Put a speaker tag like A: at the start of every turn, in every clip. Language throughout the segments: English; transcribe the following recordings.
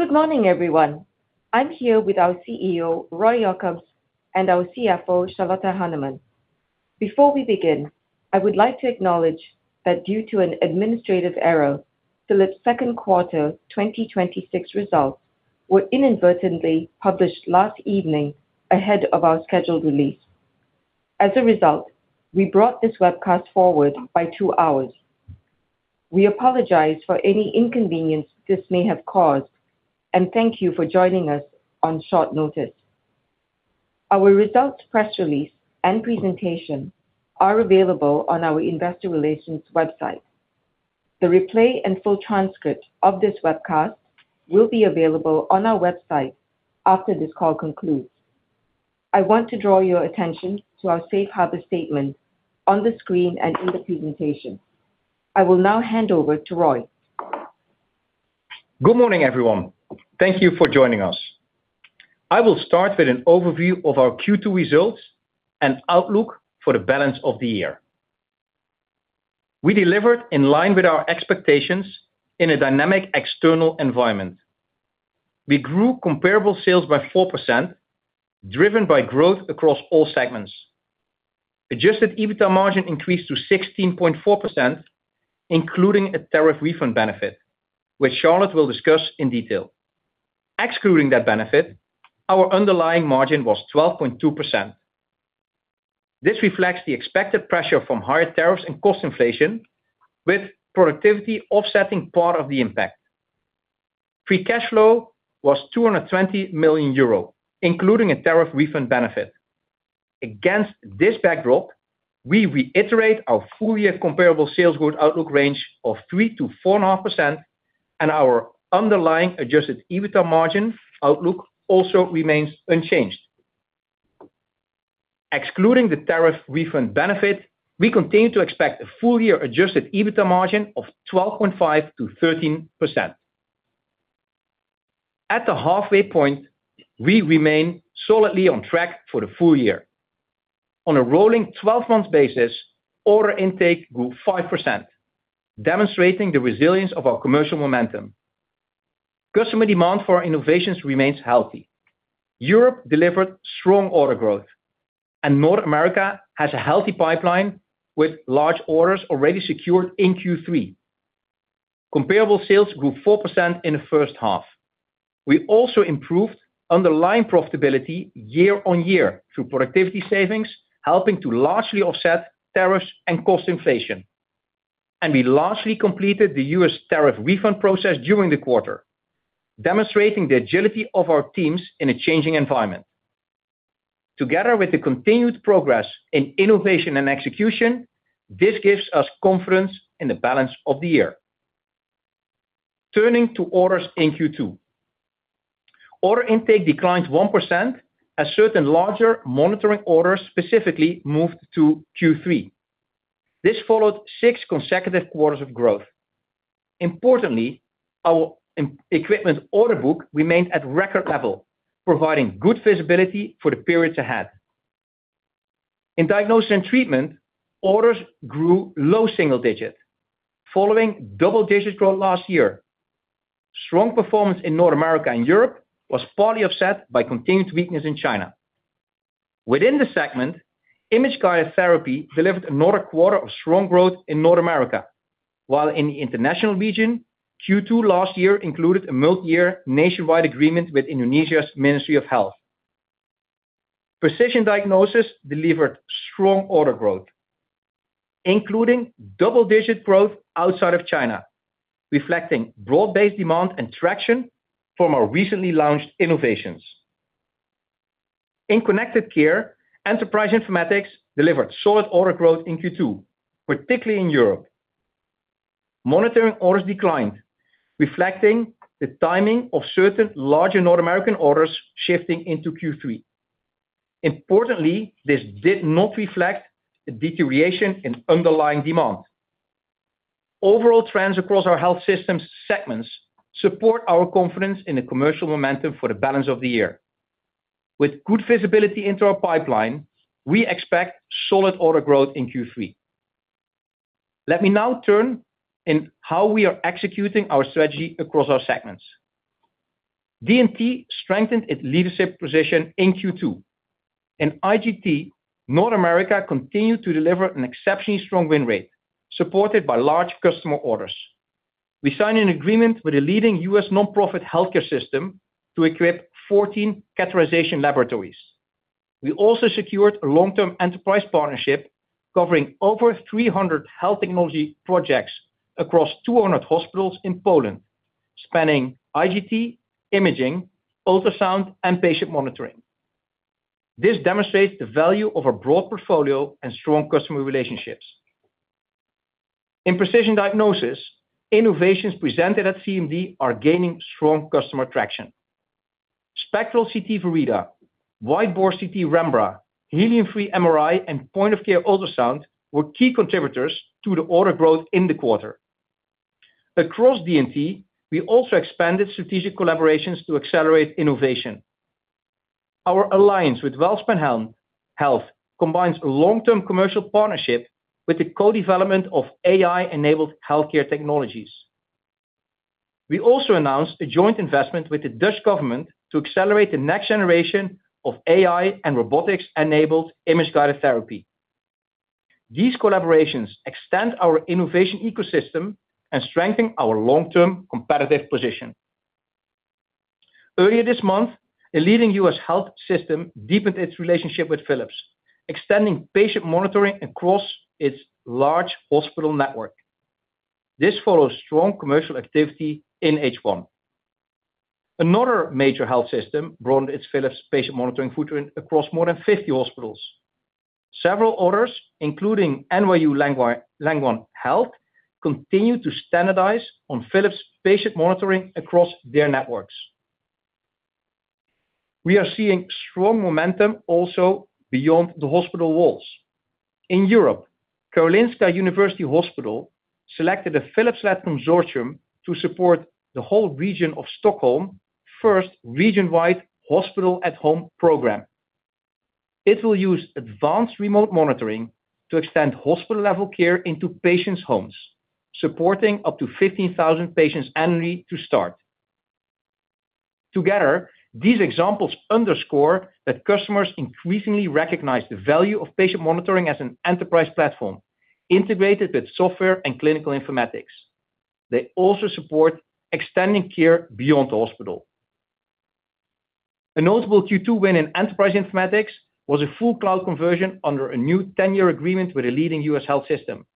A: Good morning, everyone. I am here with our CEO, Roy Jakobs, and our CFO, Charlotte Hanneman. Before we begin, I would like to acknowledge that due to an administrative error, Philips' second quarter 2026 results were inadvertently published last evening ahead of our scheduled release. As a result, we brought this webcast forward by two hours. We apologize for any inconvenience this may have caused, and thank you for joining us on short notice. Our results press release and presentation are available on our investor relations website. The replay and full transcript of this webcast will be available on our website after this call concludes. I want to draw your attention to our Safe Harbor statement on the screen and in the presentation. I will now hand over to Roy.
B: Good morning, everyone. Thank you for joining us. I will start with an overview of our Q2 results and outlook for the balance of the year. We delivered in line with our expectations in a dynamic external environment. We grew comparable sales by 4%, driven by growth across all segments. Adjusted EBITDA margin increased to 16.4%, including a tariff refund benefit, which Charlotte will discuss in detail. Excluding that benefit, our underlying margin was 12.2%. This reflects the expected pressure from higher tariffs and cost inflation, with productivity offsetting part of the impact. Free cash flow was 220 million euro, including a tariff refund benefit. Against this backdrop, we reiterate our full-year comparable sales growth outlook range of 3%-4.5%, and our underlying adjusted EBITDA margin outlook also remains unchanged. Excluding the tariff refund benefit, we continue to expect a full-year adjusted EBITDA margin of 12.5%-13%. At the halfway point, we remain solidly on track for the full year. On a rolling 12-month basis, order intake grew 5%, demonstrating the resilience of our commercial momentum. Customer demand for our innovations remains healthy. Europe delivered strong order growth, and North America has a healthy pipeline with large orders already secured in Q3. Comparable sales grew 4% in the first half. We also improved underlying profitability year-on-year through productivity savings, helping to largely offset tariffs and cost inflation. We largely completed the U.S. tariff refund process during the quarter, demonstrating the agility of our teams in a changing environment. Together with the continued progress in innovation and execution, this gives us confidence in the balance of the year. Turning to orders in Q2. Order intake declined 1% as certain larger Monitoring orders specifically moved to Q3. This followed six consecutive quarters of growth. Importantly, our equipment order book remained at record level, providing good visibility for the period ahead. In Diagnosis and Treatment, orders grew low single digit, following double-digit growth last year. Strong performance in North America and Europe was partly offset by continued weakness in China. Within the segment, Image-Guided Therapy delivered another quarter of strong growth in North America. While in the international region, Q2 last year included a multi-year nationwide agreement with Indonesia's Ministry of Health. Precision Diagnosis delivered strong order growth, including double-digit growth outside of China, reflecting broad-based demand and traction from our recently launched innovations. In Connected Care, Enterprise Informatics delivered solid order growth in Q2, particularly in Europe. Monitoring orders declined, reflecting the timing of certain larger North American orders shifting into Q3. Importantly, this did not reflect a deterioration in underlying demand. Overall trends across our health systems segments support our confidence in the commercial momentum for the balance of the year. With good visibility into our pipeline, we expect solid order growth in Q3. Let me now turn in how we are executing our strategy across our segments. DMT strengthened its leadership position in Q2. In IGT, North America continued to deliver an exceptionally strong win rate, supported by large customer orders. We signed an agreement with a leading U.S. nonprofit healthcare system to equip 14 catheterization laboratories. We also secured a long-term enterprise partnership covering over 300 health technology projects across 200 hospitals in Poland, spanning IGT, imaging, ultrasound, and patient monitoring. This demonstrates the value of a broad portfolio and strong customer relationships. In precision diagnosis, innovations presented at CMD are gaining strong customer traction. Spectral CT Verida, wide bore CT Rembra, helium-free MRI, and point-of-care ultrasound were key contributors to the order growth in the quarter. Across DMT, we also expanded strategic collaborations to accelerate innovation. Our alliance with WellSpan Health combines a long-term commercial partnership with the co-development of AI-enabled healthcare technologies. We also announced a joint investment with the Dutch government to accelerate the next generation of AI and robotics-enabled image-guided therapy. These collaborations extend our innovation ecosystem and strengthen our long-term competitive position. Earlier this month, a leading U.S. health system deepened its relationship with Philips, extending patient monitoring across its large hospital network. This follows strong commercial activity in H1. Another major health system broadened its Philips patient monitoring footprint across more than 50 hospitals. Several orders, including NYU Langone Health, continue to standardize on Philips patient monitoring across their networks. We are seeing strong momentum also beyond the hospital walls. In Europe, Karolinska University Hospital selected a Philips-led consortium to support the whole region of Stockholm, first region-wide hospital at home program. It will use advanced remote monitoring to extend hospital-level care into patients' homes, supporting up to 15,000 patients annually to start. Together, these examples underscore that customers increasingly recognize the value of patient monitoring as an enterprise platform integrated with software and clinical informatics. They also support extending care beyond the hospital. A notable Q2 win in enterprise informatics was a full cloud conversion under a new 10-year agreement with a leading U.S. health system.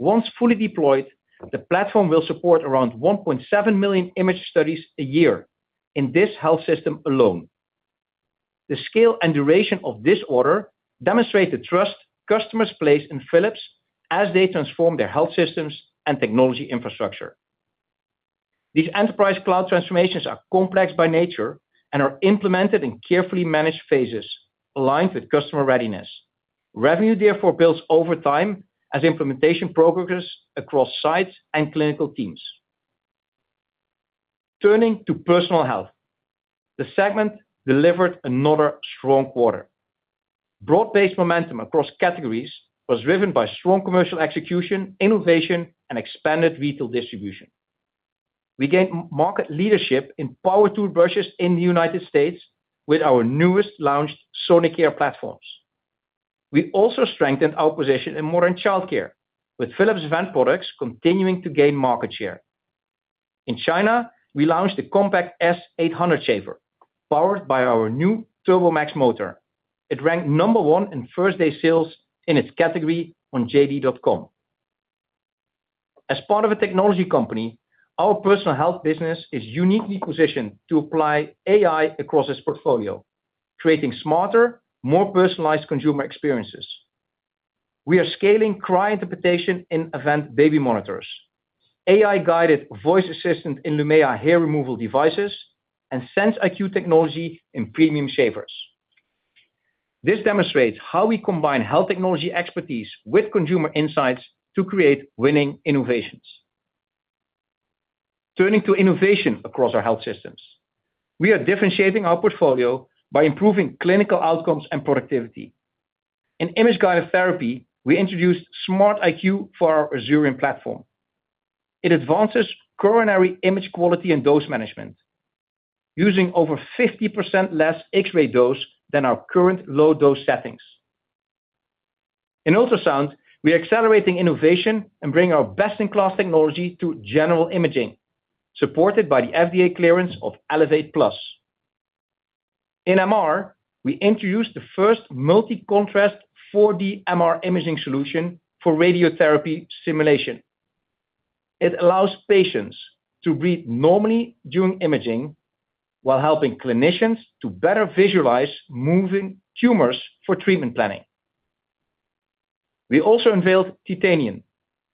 B: Once fully deployed, the platform will support around 1.7 million image studies a year in this health system alone. The scale and duration of this order demonstrate the trust customers place in Philips as they transform their health systems and technology infrastructure. These enterprise cloud transformations are complex by nature and are implemented in carefully managed phases aligned with customer readiness. Revenue, therefore, builds over time as implementation progresses across sites and clinical teams. Turning to personal health, the segment delivered another strong quarter. Broad-based momentum across categories was driven by strong commercial execution, innovation, and expanded retail distribution. We gained market leadership in power toothbrushes in the United States with our newest launched Sonicare platforms. We also strengthened our position in modern childcare with Philips Avent products continuing to gain market share. In China, we launched the S800 Compact Shaver, powered by our new Turbo mode. It ranked number one in first-day sales in its category on JD.com. As part of a technology company, our personal health business is uniquely positioned to apply AI across its portfolio, creating smarter, more personalized consumer experiences. We are scaling cry interpretation in Avent baby monitors, AI-guided voice assistant in Lumea hair removal devices, and SenseIQ technology in premium shavers. This demonstrates how we combine health technology expertise with consumer insights to create winning innovations. Turning to innovation across our health systems, we are differentiating our portfolio by improving clinical outcomes and productivity. In image-guided therapy, we introduced SmartIQ for our Azurion platform. It advances coronary image quality and dose management using over 50% less X-ray dose than our current low dose settings. In ultrasound, we are accelerating innovation and bring our best-in-class technology to general imaging, supported by the FDA clearance of Elevate Plus. In MR, we introduced the first multi-contrast 4D MR imaging solution for radiotherapy simulation. It allows patients to breathe normally during imaging while helping clinicians to better visualize moving tumors for treatment planning. We also unveiled Titanion MR,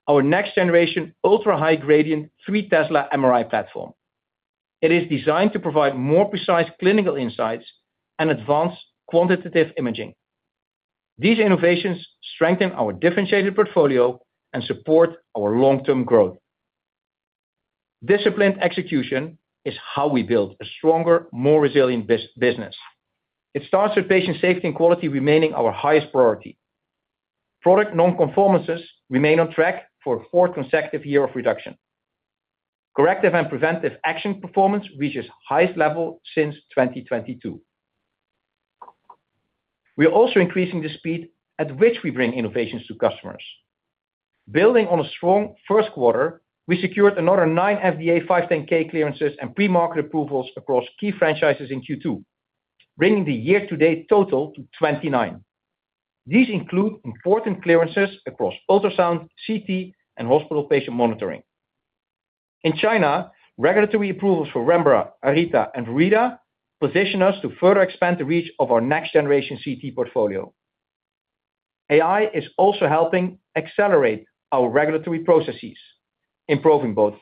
B: our next-generation ultra-high gradient 3T MRI platform. It is designed to provide more precise clinical insights and advanced quantitative imaging. These innovations strengthen our differentiated portfolio and support our long-term growth. Disciplined execution is how we build a stronger, more resilient business. It starts with patient safety and quality remaining our highest priority. Product non-conformances remain on track for a fourth consecutive year of reduction. Corrective and preventive action performance reaches highest level since 2022. We are also increasing the speed at which we bring innovations to customers. Building on a strong first quarter, we secured another nine FDA 510(k) clearances and pre-market approvals across key franchises in Q2, bringing the year-to-date total to 29. These include important clearances across ultrasound, CT, and hospital patient monitoring. In China, regulatory approvals for Rembra, Areta RT, and Verida position us to further expand the reach of our next-generation CT portfolio. AI is also helping accelerate our regulatory processes, improving both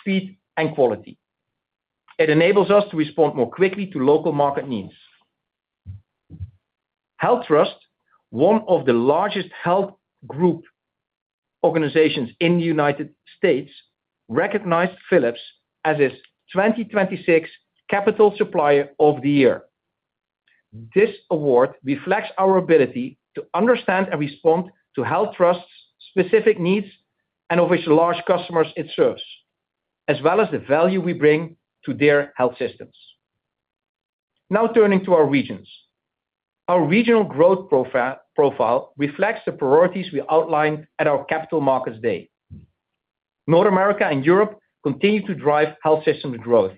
B: speed and quality. It enables us to respond more quickly to local market needs. HealthTrust, one of the largest health group organizations in the U.S., recognized Philips as its 2026 Capital Supplier of the Year. This award reflects our ability to understand and respond to HealthTrust's specific needs and of which large customers it serves, as well as the value we bring to their health systems. Now turning to our regions. Our regional growth profile reflects the priorities we outlined at our Capital Markets Day. North America and Europe continue to drive health systems growth,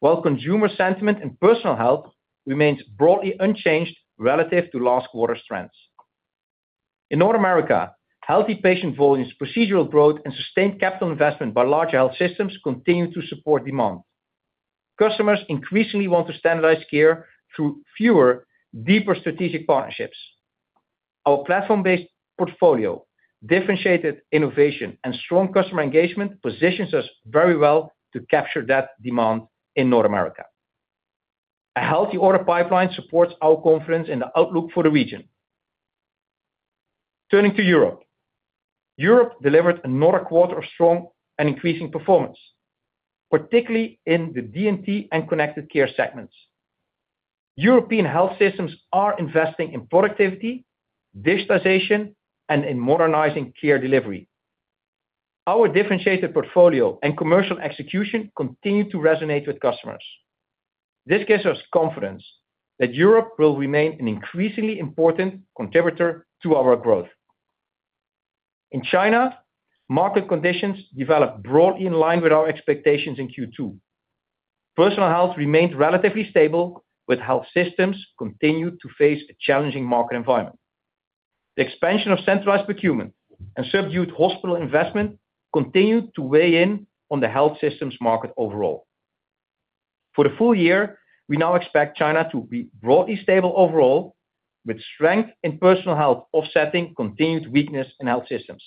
B: while consumer sentiment and Personal Health remains broadly unchanged relative to last quarter's trends. In North America, healthy patient volumes, procedural growth, and sustained capital investment by large health systems continue to support demand. Customers increasingly want to standardize care through fewer, deeper strategic partnerships. Our platform-based portfolio, differentiated innovation, and strong customer engagement positions us very well to capture that demand in North America. A healthy order pipeline supports our confidence in the outlook for the region. Turning to Europe. Europe delivered another quarter of strong and increasing performance, particularly in the DMT and Connected Care segments. European health systems are investing in productivity, digitization, and in modernizing care delivery. Our differentiated portfolio and commercial execution continue to resonate with customers. This gives us confidence that Europe will remain an increasingly important contributor to our growth. In China, market conditions developed broadly in line with our expectations in Q2. Personal Health remained relatively stable, with health systems continued to face a challenging market environment. The expansion of centralized procurement and subdued hospital investment continued to weigh in on the health systems market overall. For the full year, we now expect China to be broadly stable overall, with strength in Personal Health offsetting continued weakness in health systems.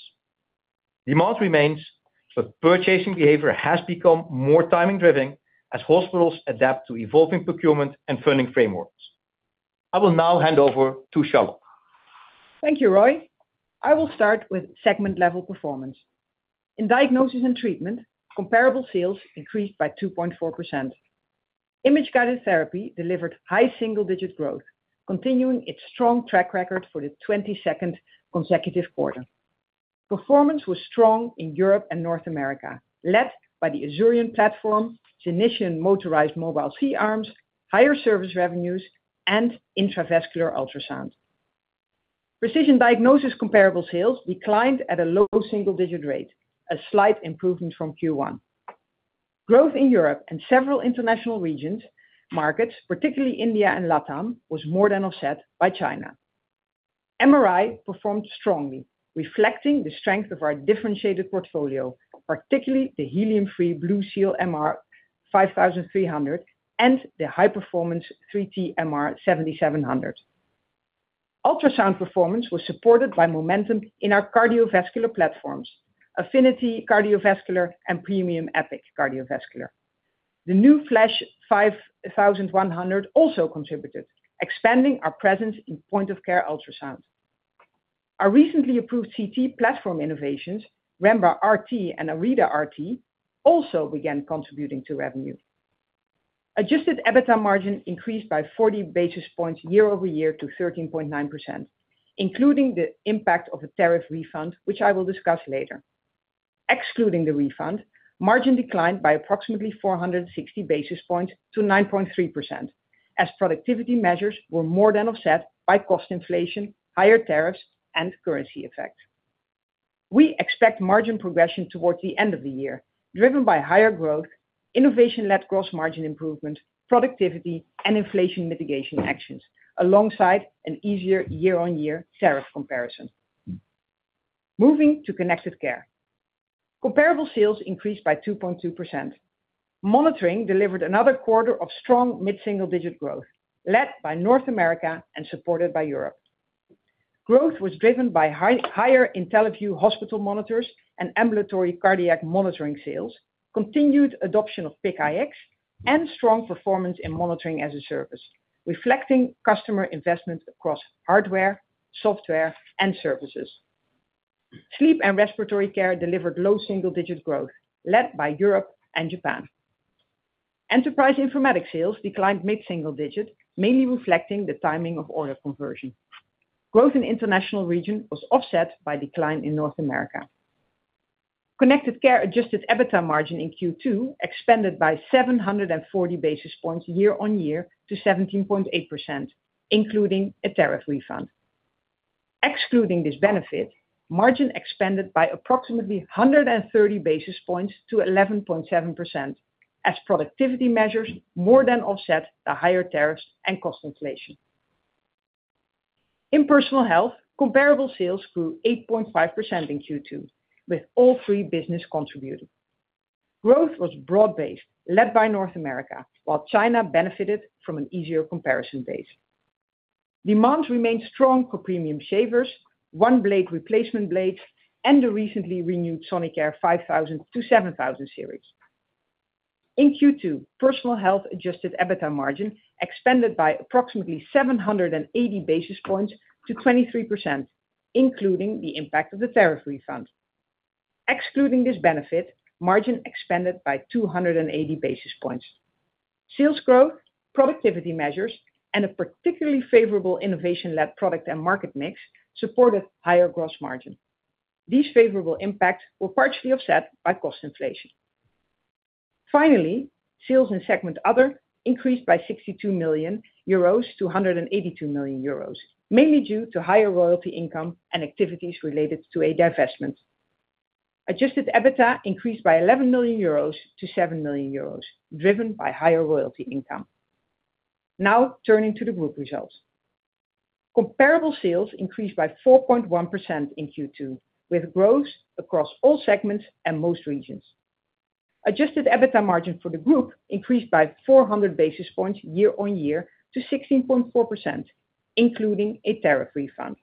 B: Demand remains, but purchasing behavior has become more timing-driven as hospitals adapt to evolving procurement and funding frameworks. I will now hand over to Charlotte.
C: Thank you, Roy. I will start with segment-level performance. In Diagnosis and Treatment, comparable sales increased by 2.4%. Image-Guided Therapy delivered high single-digit growth, continuing its strong track record for the 22nd consecutive quarter. Performance was strong in Europe and North America, led by the Azurion platform, Zenition motorized mobile C-arms, higher service revenues, and intravascular ultrasound. Precision Diagnosis comparable sales declined at a low single-digit rate, a slight improvement from Q1. Growth in Europe and several international regions markets, particularly India and LATAM, was more than offset by China. MRI performed strongly, reflecting the strength of our differentiated portfolio, particularly the helium-free BlueSeal MR 5300 and the high-performance 3T MR 7700. Ultrasound performance was supported by momentum in our cardiovascular platforms: Affiniti CVx and Premium EPIQ CVx. The new Flash 5100 also contributed, expanding our presence in point-of-care ultrasound. Our recently approved CT platform innovations, Rembra RT and Areta RT, also began contributing to revenue. Adjusted EBITDA margin increased by 40 basis points year-over-year to 13.9%, including the impact of the tariff refund, which I will discuss later. Excluding the refund, margin declined by approximately 460 basis points to 9.3% as productivity measures were more than offset by cost inflation, higher tariffs, and currency effects. We expect margin progression towards the end of the year, driven by higher growth, innovation-led gross margin improvement, productivity, and inflation mitigation actions alongside an easier year-on-year tariff comparison. Moving to Connected Care. Comparable sales increased by 2.2%. Monitoring delivered another quarter of strong mid-single-digit growth, led by North America and supported by Europe. Growth was driven by higher IntelliVue hospital monitors and ambulatory cardiac monitoring sales, continued adoption of PIC iX, and strong performance in Monitoring as a Service, reflecting customer investment across hardware, software, and services. Sleep and Respiratory Care delivered low double-digit growth, led by Europe and Japan. Enterprise Informatics sales declined mid-single digit, mainly reflecting the timing of order conversion. Growth in international region was offset by decline in North America. Connected Care adjusted EBITDA margin in Q2 expanded by 740 basis points year-on-year to 17.8%, including a tariff refund. Excluding this benefit, margin expanded by approximately 130 basis points to 11.7% as productivity measures more than offset the higher tariffs and cost inflation. In Personal Health, comparable sales grew 8.5% in Q2 with all three business contributing. Growth was broad-based, led by North America, while China benefited from an easier comparison base. Demand remained strong for premium shavers, OneBlade replacement blades, and the recently renewed Sonicare 5000-7000 series. In Q2, Personal Health adjusted EBITDA margin expanded by approximately 780 basis points to 23%, including the impact of the tariff refund. Excluding this benefit, margin expanded by 280 basis points. Sales growth, productivity measures, and a particularly favorable innovation-led product and market mix supported higher gross margin. These favorable impacts were partially offset by cost inflation. Finally, sales in segment other increased by 62 million-182 million euros, mainly due to higher royalty income and activities related to a divestment. Adjusted EBITDA increased by 11 million-7 million euros, driven by higher royalty income. Turning to the group results. Comparable sales increased by 4.1% in Q2, with growth across all segments and most regions. Adjusted EBITDA margin for the group increased by 400 basis points year-on-year to 16.4%, including a tariff refund.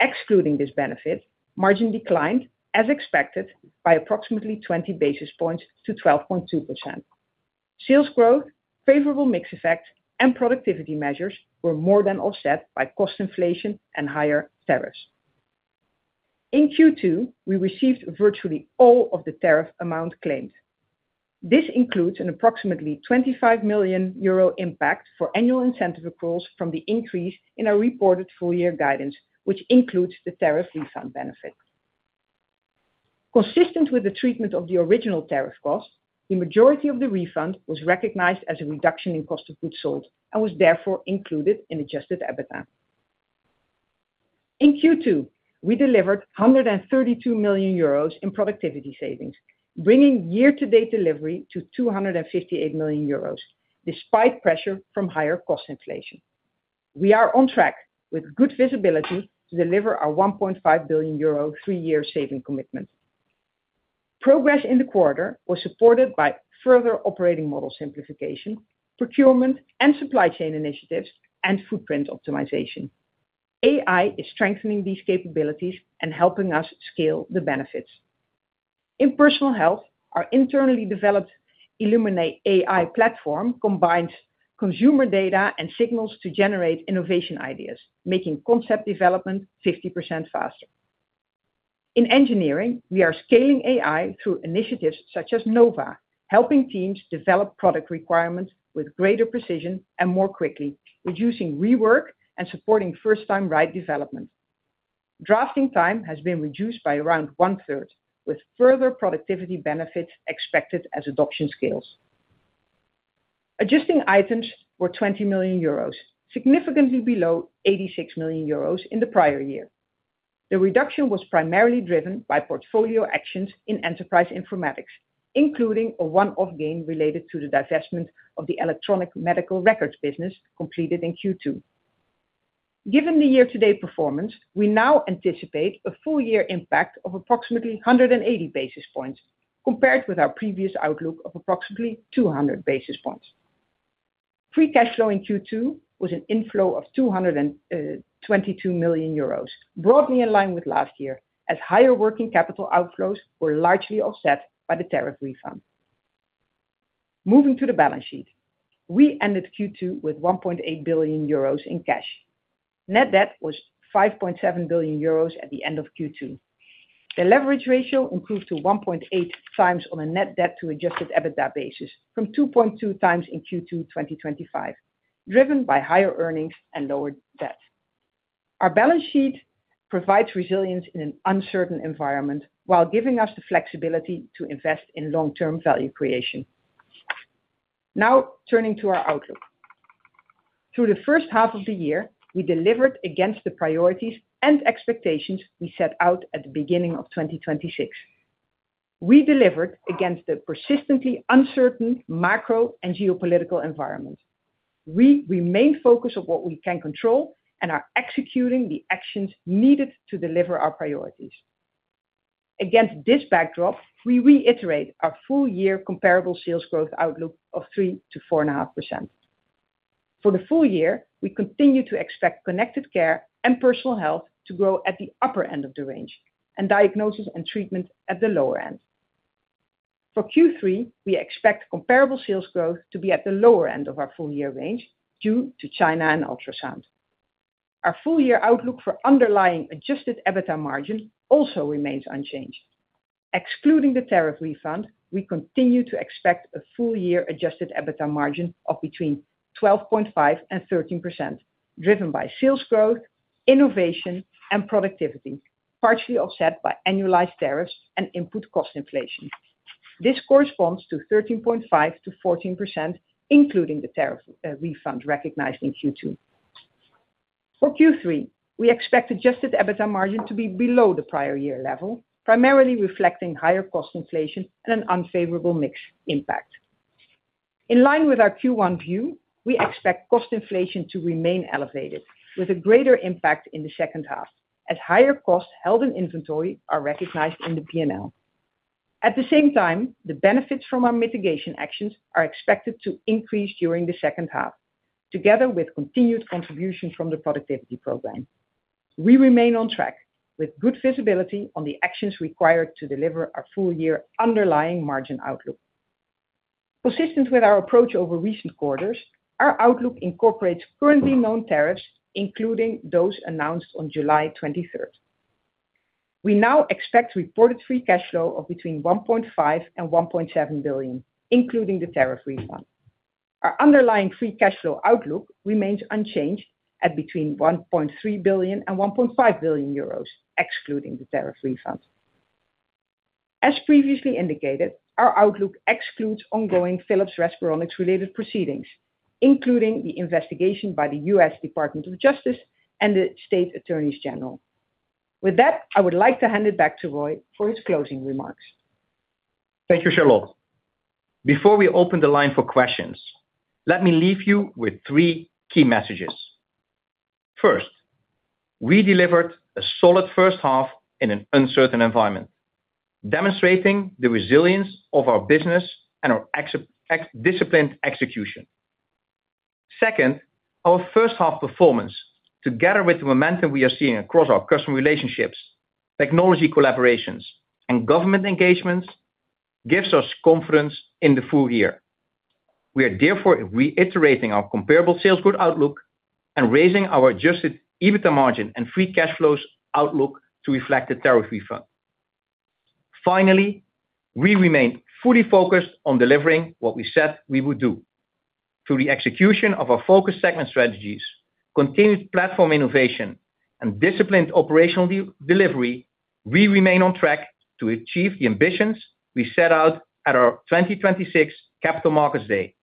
C: Excluding this benefit, margin declined as expected by approximately 20 basis points to 12.2%. Sales growth, favorable mix effects, and productivity measures were more than offset by cost inflation and higher tariffs. In Q2, we received virtually all of the tariff amount claimed. This includes an approximately 25 million euro impact for annual incentive accruals from the increase in our reported full-year guidance, which includes the tariff refund benefit. Consistent with the treatment of the original tariff cost, the majority of the refund was recognized as a reduction in cost of goods sold and was therefore included in adjusted EBITDA. In Q2, we delivered 132 million euros in productivity savings, bringing year-to-date delivery to 258 million euros, despite pressure from higher cost inflation. We are on track with good visibility to deliver our 1.5 billion euro three-year saving commitment. Progress in the quarter was supported by further operating model simplification, procurement and supply chain initiatives, and footprint optimization. AI is strengthening these capabilities and helping us scale the benefits. In Personal Health, our internally developed Illuminate AI platform combines consumer data and signals to generate innovation ideas, making concept development 50% faster. In engineering, we are scaling AI through initiatives such as NOVA, helping teams develop product requirements with greater precision and more quickly, reducing rework and supporting first-time right development. Drafting time has been reduced by around 1/3, with further productivity benefits expected as adoption scales. Adjusting items were 20 million euros, significantly below 86 million euros in the prior year. The reduction was primarily driven by portfolio actions in enterprise informatics, including a one-off gain related to the divestment of the electronic medical records business completed in Q2. Given the year-to-date performance, we anticipate a full-year impact of approximately 180 basis points, compared with our previous outlook of approximately 200 basis points. Free cash flow in Q2 was an inflow of 222 million euros, broadly in line with last year, as higher working capital outflows were largely offset by the tariff refund. To the balance sheet. We ended Q2 with 1.8 billion euros in cash. Net debt was 5.7 billion euros at the end of Q2. The leverage ratio improved to 1.8x on a net debt to adjusted EBITDA basis from 2.2x in Q2 2025, driven by higher earnings and lower debt. Our balance sheet provides resilience in an uncertain environment while giving us the flexibility to invest in long-term value creation. Now turning to our outlook. Through the first half of the year, we delivered against the priorities and expectations we set out at the beginning of 2026. We delivered against the persistently uncertain macro and geopolitical environment. We remain focused on what we can control and are executing the actions needed to deliver our priorities. Against this backdrop, we reiterate our full-year comparable sales growth outlook of 3%-4.5%. For the full year, we continue to expect Connected Care and Personal Health to grow at the upper end of the range, and Diagnosis and Treatment at the lower end. For Q3, we expect comparable sales growth to be at the lower end of our full-year range due to China and ultrasound. Our full-year outlook for underlying adjusted EBITDA margin also remains unchanged. Excluding the tariff refund, we continue to expect a full-year adjusted EBITDA margin of between 12.5% and 13%, driven by sales growth, innovation, and productivity, partially offset by annualized tariffs and input cost inflation. This corresponds to 13.5%-14%, including the tariff refund recognized in Q2. For Q3, we expect adjusted EBITDA margin to be below the prior year level, primarily reflecting higher cost inflation and an unfavorable mix impact. In line with our Q1 view, we expect cost inflation to remain elevated, with a greater impact in the second half, as higher costs held in inventory are recognized in the P&L. At the same time, the benefits from our mitigation actions are expected to increase during the second half, together with continued contributions from the productivity program. We remain on track with good visibility on the actions required to deliver our full year underlying margin outlook. Consistent with our approach over recent quarters, our outlook incorporates currently known tariffs, including those announced on July 23rd. We now expect reported free cash flow of between 1.5 billion and 1.7 billion, including the tariff refund. Our underlying free cash flow outlook remains unchanged at between 1.3 billion and 1.5 billion euros, excluding the tariff refund. As previously indicated, our outlook excludes ongoing Philips Respironics related proceedings, including the investigation by the U.S. Department of Justice and the State Attorneys General. With that, I would like to hand it back to Roy for his closing remarks.
B: Thank you, Charlotte. Before we open the line for questions, let me leave you with three key messages. First, we delivered a solid first half in an uncertain environment, demonstrating the resilience of our business and our disciplined execution. Second, our first half performance, together with the momentum we are seeing across our customer relationships, technology collaborations and government engagements, gives us confidence in the full year. We are therefore reiterating our comparable sales growth outlook and raising our adjusted EBITDA margin and free cash flows outlook to reflect the tariff refund. Finally, we remain fully focused on delivering what we said we would do. Through the execution of our focused segment strategies, continued platform innovation and disciplined operational delivery, we remain on track to achieve the ambitions we set out at our 2026 Capital Markets Day.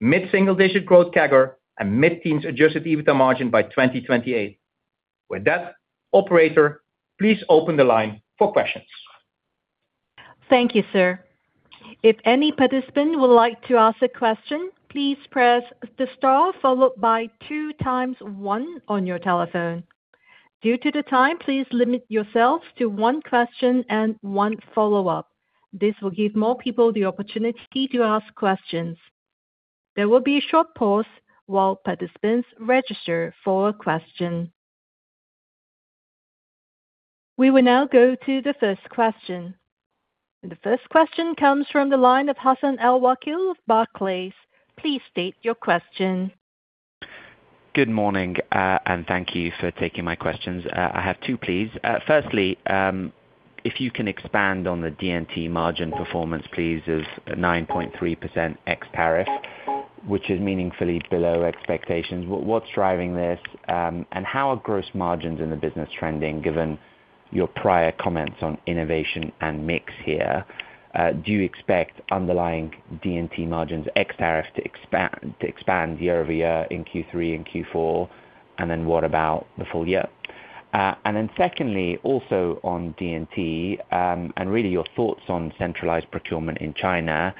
B: Mid-single digit growth CAGR and mid-teens adjusted EBITDA margin by 2028. With that, operator, please open the line for questions.
D: Thank you, sir. If any participant would like to ask a question, please press the star followed by two times one on your telephone. Due to the time, please limit yourselves to one question and one follow-up. This will give more people the opportunity to ask questions. There will be a short pause while participants register for a question. We will now go to the first question, and the first question comes from the line of Hassan Al-Wakeel of Barclays. Please state your question.
E: Good morning, and thank you for taking my questions. I have two, please. Firstly, if you can expand on the D&T margin performance, please, as 9.3% ex tariff, which is meaningfully below expectations. What's driving this, and how are gross margins in the business trending given your prior comments on innovation and mix here? Do you expect underlying D&T margins ex tariff to expand year-over-year in Q3 and Q4? What about the full year? Secondly, also on D&T, and really your thoughts on centralized procurement in China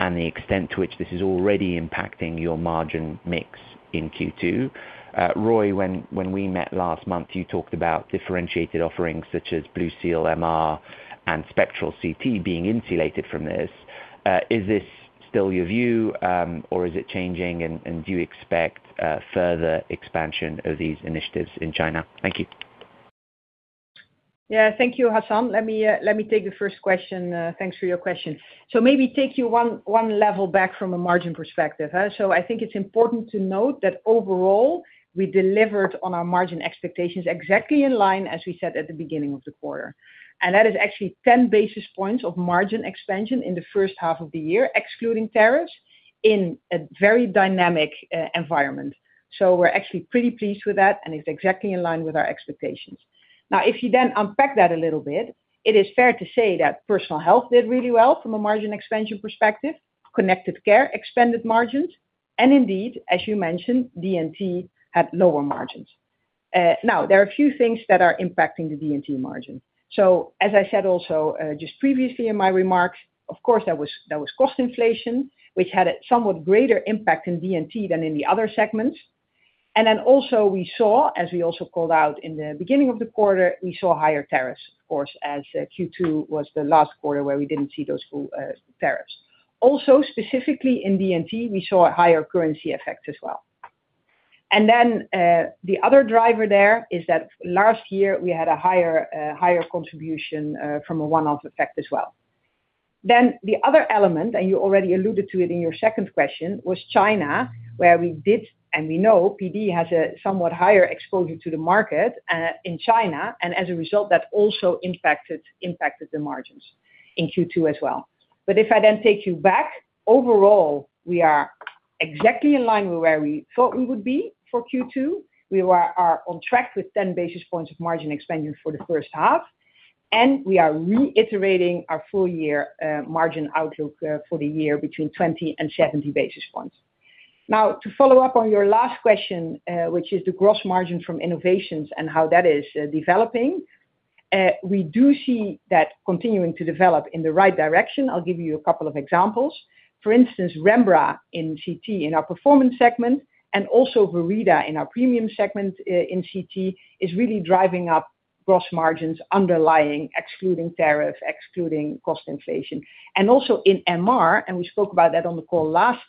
E: and the extent to which this is already impacting your margin mix in Q2. Roy, when we met last month, you talked about differentiated offerings such as BlueSeal MR and Spectral CT being insulated from this. Is this still your view, or is it changing, and do you expect further expansion of these initiatives in China? Thank you.
C: Thank you, Hassan. Let me take the first question. Thanks for your question. Maybe take you one level back from a margin perspective. I think it's important to note that overall, we delivered on our margin expectations exactly in line as we said at the beginning of the quarter. That is actually 10 basis points of margin expansion in the first half of the year, excluding tariffs, in a very dynamic environment. We're actually pretty pleased with that, and it's exactly in line with our expectations. If you then unpack that a little bit, it is fair to say that Personal Health did really well from a margin expansion perspective. Connected Care expanded margins, and indeed, as you mentioned, D&T had lower margins. There are a few things that are impacting the D&T margin. As I said, also just previously in my remarks, of course, there was cost inflation which had a somewhat greater impact in D&T than in the other segments. Then also we saw, as we also called out in the beginning of the quarter, we saw higher tariffs, of course, as Q2 was the last quarter where we didn't see those full tariffs. Specifically in D&T, we saw a higher currency effect as well. Then, the other driver there is that last year we had a higher contribution, from a one-off effect as well. The other element, and you already alluded to it in your second question, was China, where we did, and we know PD has a somewhat higher exposure to the market, in China, and as a result, that also impacted the margins in Q2 as well. If I then take you back, overall, we are exactly in line with where we thought we would be for Q2. We are on track with 10 basis points of margin expansion for the first half, and we are reiterating our full year margin outlook for the year between 20 and 70 basis points. To follow up on your last question, which is the gross margin from innovations and how that is developing. We do see that continuing to develop in the right direction. I'll give you a couple of examples. For instance, Rembra in CT in our performance segment and also Verida in our premium segment in CT is really driving up gross margins underlying, excluding tariff, excluding cost inflation. Also in MR, and we spoke about that on the call last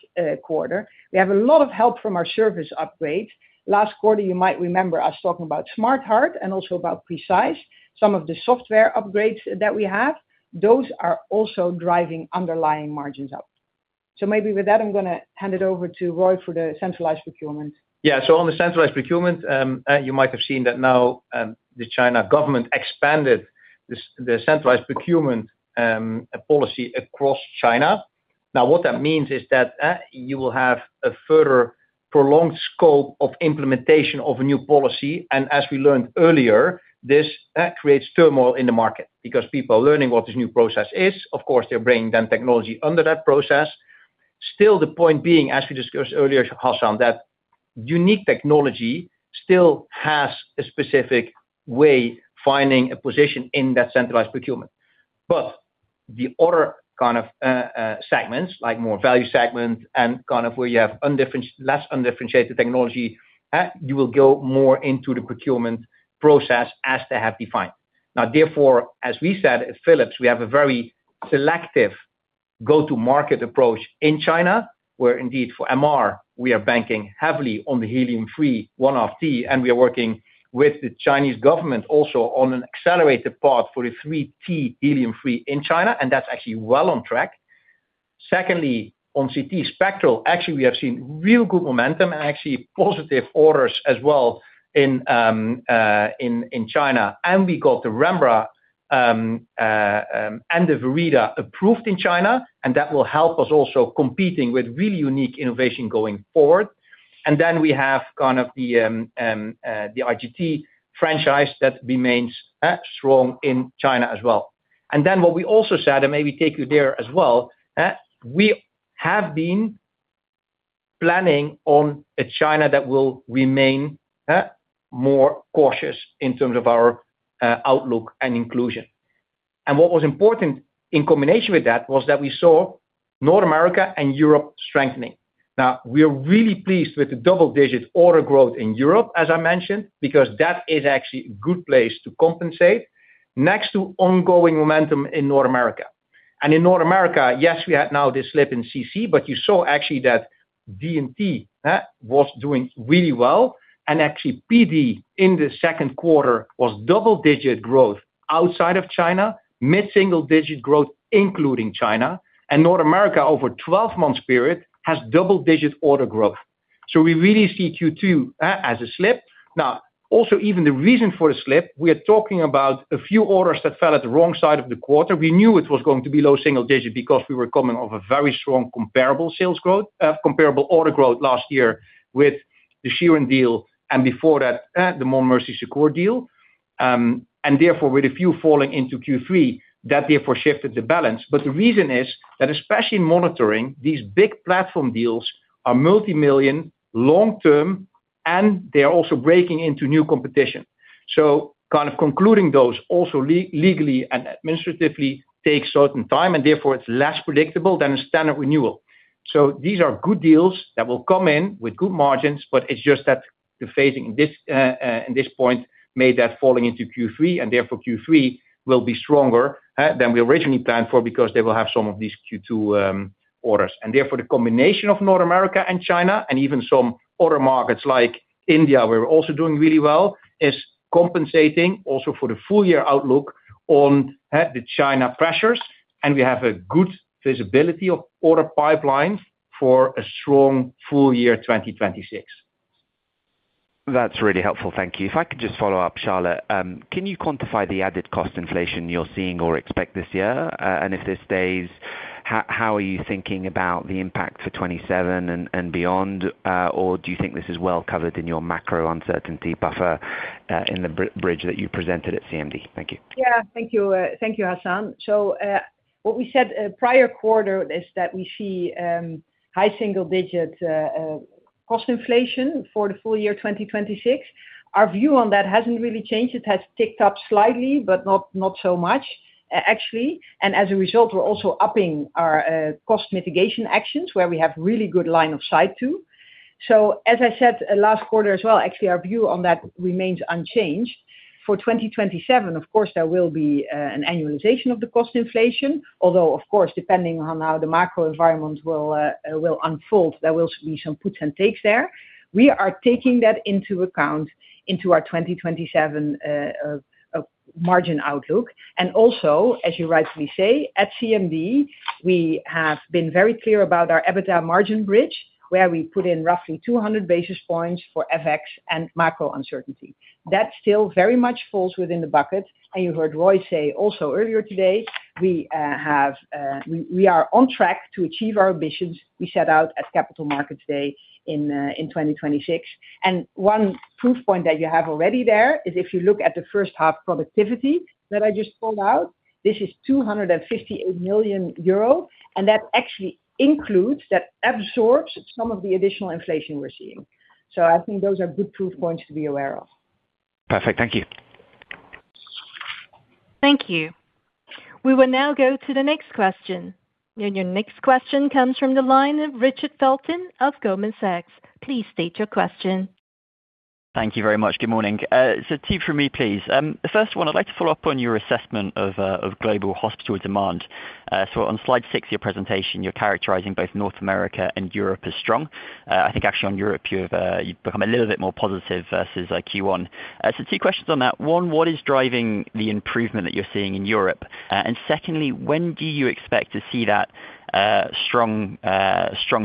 C: quarter, we have a lot of help from our service upgrades. Last quarter, you might remember us talking about SmartHeart and also about Precise, some of the software upgrades that we have. Those are also driving underlying margins up. Maybe with that, I'm going to hand it over to Roy for the centralized procurement.
B: Yeah. On the centralized procurement, you might have seen that now the China government expanded the centralized procurement policy across China. What that means is that you will have a further prolonged scope of implementation of a new policy. As we learned earlier, this creates turmoil in the market because people are learning what this new process is. Of course, they're bringing down technology under that process. Still, the point being, as we discussed earlier, Hassan, that unique technology still has a specific way finding a position in that centralized procurement. The other kind of segments, like more value segments and where you have less undifferentiated technology, you will go more into the procurement process as they have defined. Therefore, as we said at Philips, we have a very selective go-to-market approach in China, where indeed for MR, we are banking heavily on the helium-3 1T, and we are working with the Chinese government also on an accelerated path for a 3T helium-3 in China, and that's actually well on track. Secondly, on Spectral CT, actually, we have seen real good momentum and actually positive orders as well in China. We got the Rembra and the Verida approved in China, and that will help us also competing with really unique innovation going forward. We have kind of the IGT franchise that remains strong in China as well. What we also said, and maybe take you there as well, we have been planning on a China that will remain more cautious in terms of our outlook and inclusion. What was important in combination with that was that we saw North America and Europe strengthening. We are really pleased with the double-digit order growth in Europe, as I mentioned, because that is actually a good place to compensate next to ongoing momentum in North America. In North America, yes, we had now this slip in CC, but you saw actually that D&T was doing really well. Actually, PD in the second quarter was double-digit growth outside of China, mid-single digit growth, including China. North America, over 12-month period, has double-digit order growth. We really see Q2 as a slip. Also, even the reason for the slip, we are talking about a few orders that fell at the wrong side of the quarter. We knew it was going to be low single-digit because we were coming off a very strong comparable order growth last year with the [Sheeran deal, and before that, the [Montmorency Secours] deal. Therefore, with a few falling into Q3, that therefore shifted the balance. The reason is that especially monitoring these big platform deals are multi-million, long-term, and they are also breaking into new competition. Kind of concluding those also legally and administratively takes certain time, and therefore it's less predictable than a standard renewal. These are good deals that will come in with good margins, but it's just that the phasing in this point made that falling into Q3, and therefore Q3 will be stronger than we originally planned for because they will have some of these Q2 orders. Therefore, the combination of North America and China, and even some other markets like India, where we're also doing really well, is compensating also for the full-year outlook on the China pressures, and we have a good visibility of order pipelines for a strong full year 2026.
E: That's really helpful. Thank you. If I could just follow up, Charlotte, can you quantify the added cost inflation you're seeing or expect this year? If this stays, how are you thinking about the impact for 2027 and beyond? Do you think this is well covered in your macro uncertainty buffer in the bridge that you presented at CMD? Thank you.
C: Thank you, Hassan. What we said prior quarter is that we see high single-digit cost inflation for the full year 2026. Our view on that hasn't really changed. It has ticked up slightly, but not so much, actually. As a result, we're also upping our cost mitigation actions where we have really good line of sight to. As I said last quarter as well, actually, our view on that remains unchanged. For 2027, of course, there will be an annualization of the cost inflation, although, of course, depending on how the macro environment will unfold, there will be some puts and takes there. We are taking that into account into our 2027 margin outlook. Also, as you rightly say, at CMD, we have been very clear about our EBITDA margin bridge, where we put in roughly 200 basis points for FX and macro uncertainty. That still very much falls within the bucket. You heard Roy say also earlier today, we are on track to achieve our ambitions we set out at Capital Markets Day in 2026. One proof point that you have already there is if you look at the first half productivity that I just pulled out, this is 258 million euro, and that actually includes, that absorbs some of the additional inflation we're seeing. I think those are good proof points to be aware of.
E: Perfect. Thank you.
D: Thank you. We will now go to the next question. Your next question comes from the line of Richard Felton of Goldman Sachs. Please state your question.
F: Thank you very much. Good morning. Two from me, please. The first one, I'd like to follow up on your assessment of global hospital demand. On slide six of your presentation, you're characterizing both North America and Europe as strong. I think actually on Europe, you've become a little bit more positive versus Q1. Two questions on that. One, what is driving the improvement that you're seeing in Europe? Secondly, when do you expect to see that strong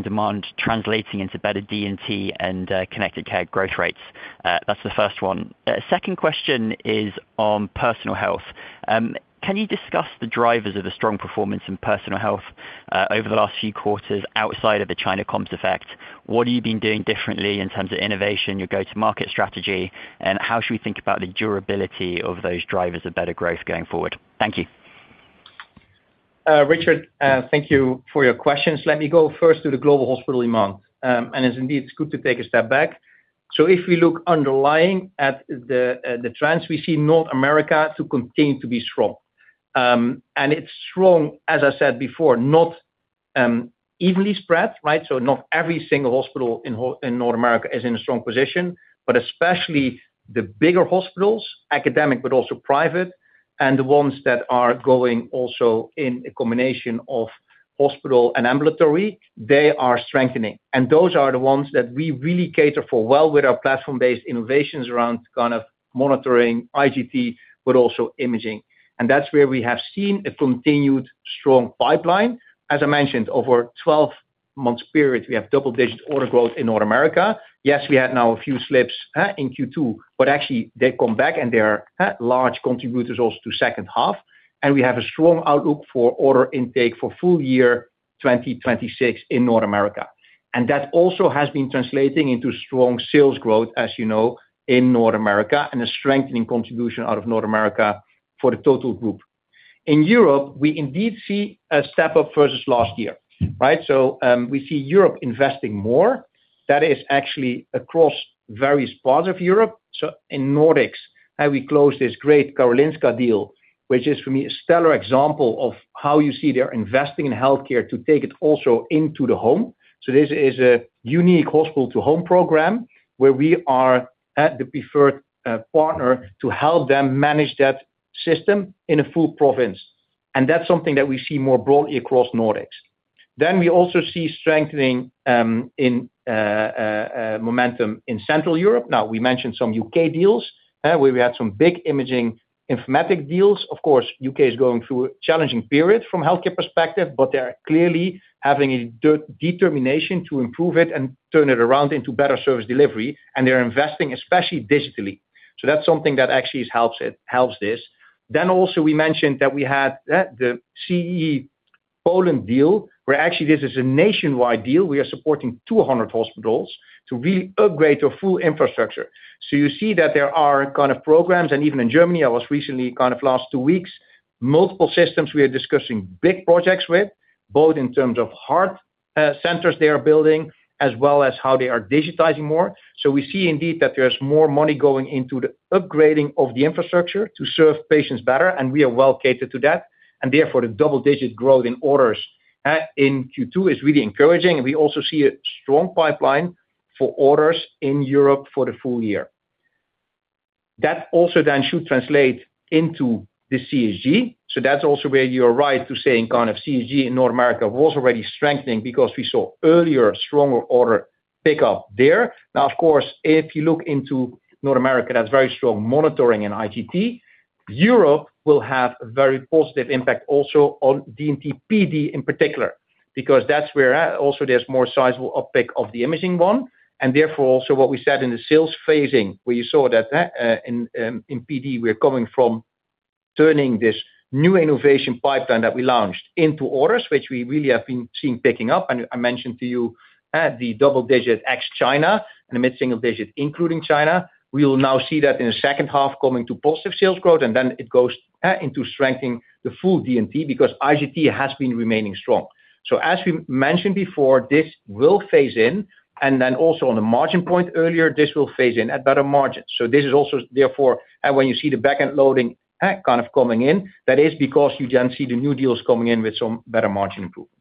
F: demand translating into better D&T and connected care growth rates? That's the first one. Second question is on Personal Health. Can you discuss the drivers of the strong performance in Personal Health over the last few quarters outside of the China comps effect? What have you been doing differently in terms of innovation, your go-to-market strategy, and how should we think about the durability of those drivers of better growth going forward? Thank you.
B: Richard, thank you for your questions. Let me go first to the global hospital demand. It's indeed good to take a step back. If we look underlying at the trends, we see North America to continue to be strong. It's strong, as I said before, not evenly spread, right? Not every single hospital in North America is in a strong position. Especially the bigger hospitals, academic, but also private, and the ones that are going also in a combination of hospital and ambulatory, they are strengthening. Those are the ones that we really cater for well with our platform-based innovations around monitoring IGT, but also imaging. That's where we have seen a continued strong pipeline. As I mentioned, over 12 months period, we have double-digit order growth in North America. Yes, we had now a few slips in Q2, but actually they come back and they are large contributors also to second half. We have a strong outlook for order intake for full year 2026 in North America. That also has been translating into strong sales growth, as you know, in North America and a strengthening contribution out of North America for the total group. In Europe, we indeed see a step up versus last year, right? We see Europe investing more. That is actually across various parts of Europe. In Nordics, how we close this great Karolinska deal, which is for me a stellar example of how you see they're investing in healthcare to take it also into the home. This is a unique hospital-to-home program where we are at the preferred partner to help them manage that system in a full province. That's something that we see more broadly across Nordics. We also see strengthening in momentum in Central Europe. Now, we mentioned some U.K. deals, where we had some big imaging informatic deals. Of course, U.K. is going through a challenging period from healthcare perspective, but they are clearly having a determination to improve it and turn it around into better service delivery, and they're investing, especially digitally. That's something that actually helps this. Also we mentioned that we had the CE Poland deal, where actually this is a nationwide deal. We are supporting 200 hospitals to really upgrade to a full infrastructure. You see that there are kind of programs, and even in Germany, I was recently kind of last two weeks, multiple systems we are discussing big projects with, both in terms of heart centers they are building, as well as how they are digitizing more. We see indeed that there's more money going into the upgrading of the infrastructure to serve patients better, and we are well catered to that. Therefore, the double-digit growth in orders in Q2 is really encouraging, and we also see a strong pipeline for orders in Europe for the full year. That also then should translate into the CSG. That's also where you are right to say in kind of CSG in North America was already strengthening because we saw earlier stronger order pickup there. Now, of course, if you look into North America, that's very strong monitoring in IGT. Europe will have a very positive impact also on DMT PD in particular. That's where also there's more sizable uptick of the imaging one, and therefore, also what we said in the sales phasing, where you saw that in PD, we're coming from turning this new innovation pipeline that we launched into orders, which we really have been seeing picking up. I mentioned to you the double-digit ex China and the mid-single-digit including China. We will now see that in the second half coming to positive sales growth, and then it goes into strengthening the full D&T because IGT has been remaining strong. As we mentioned before, this will phase in, and then also on the margin point earlier, this will phase in at better margins. This is also therefore, and when you see the back-end loading kind of coming in, that is because you then see the new deals coming in with some better margin improvement.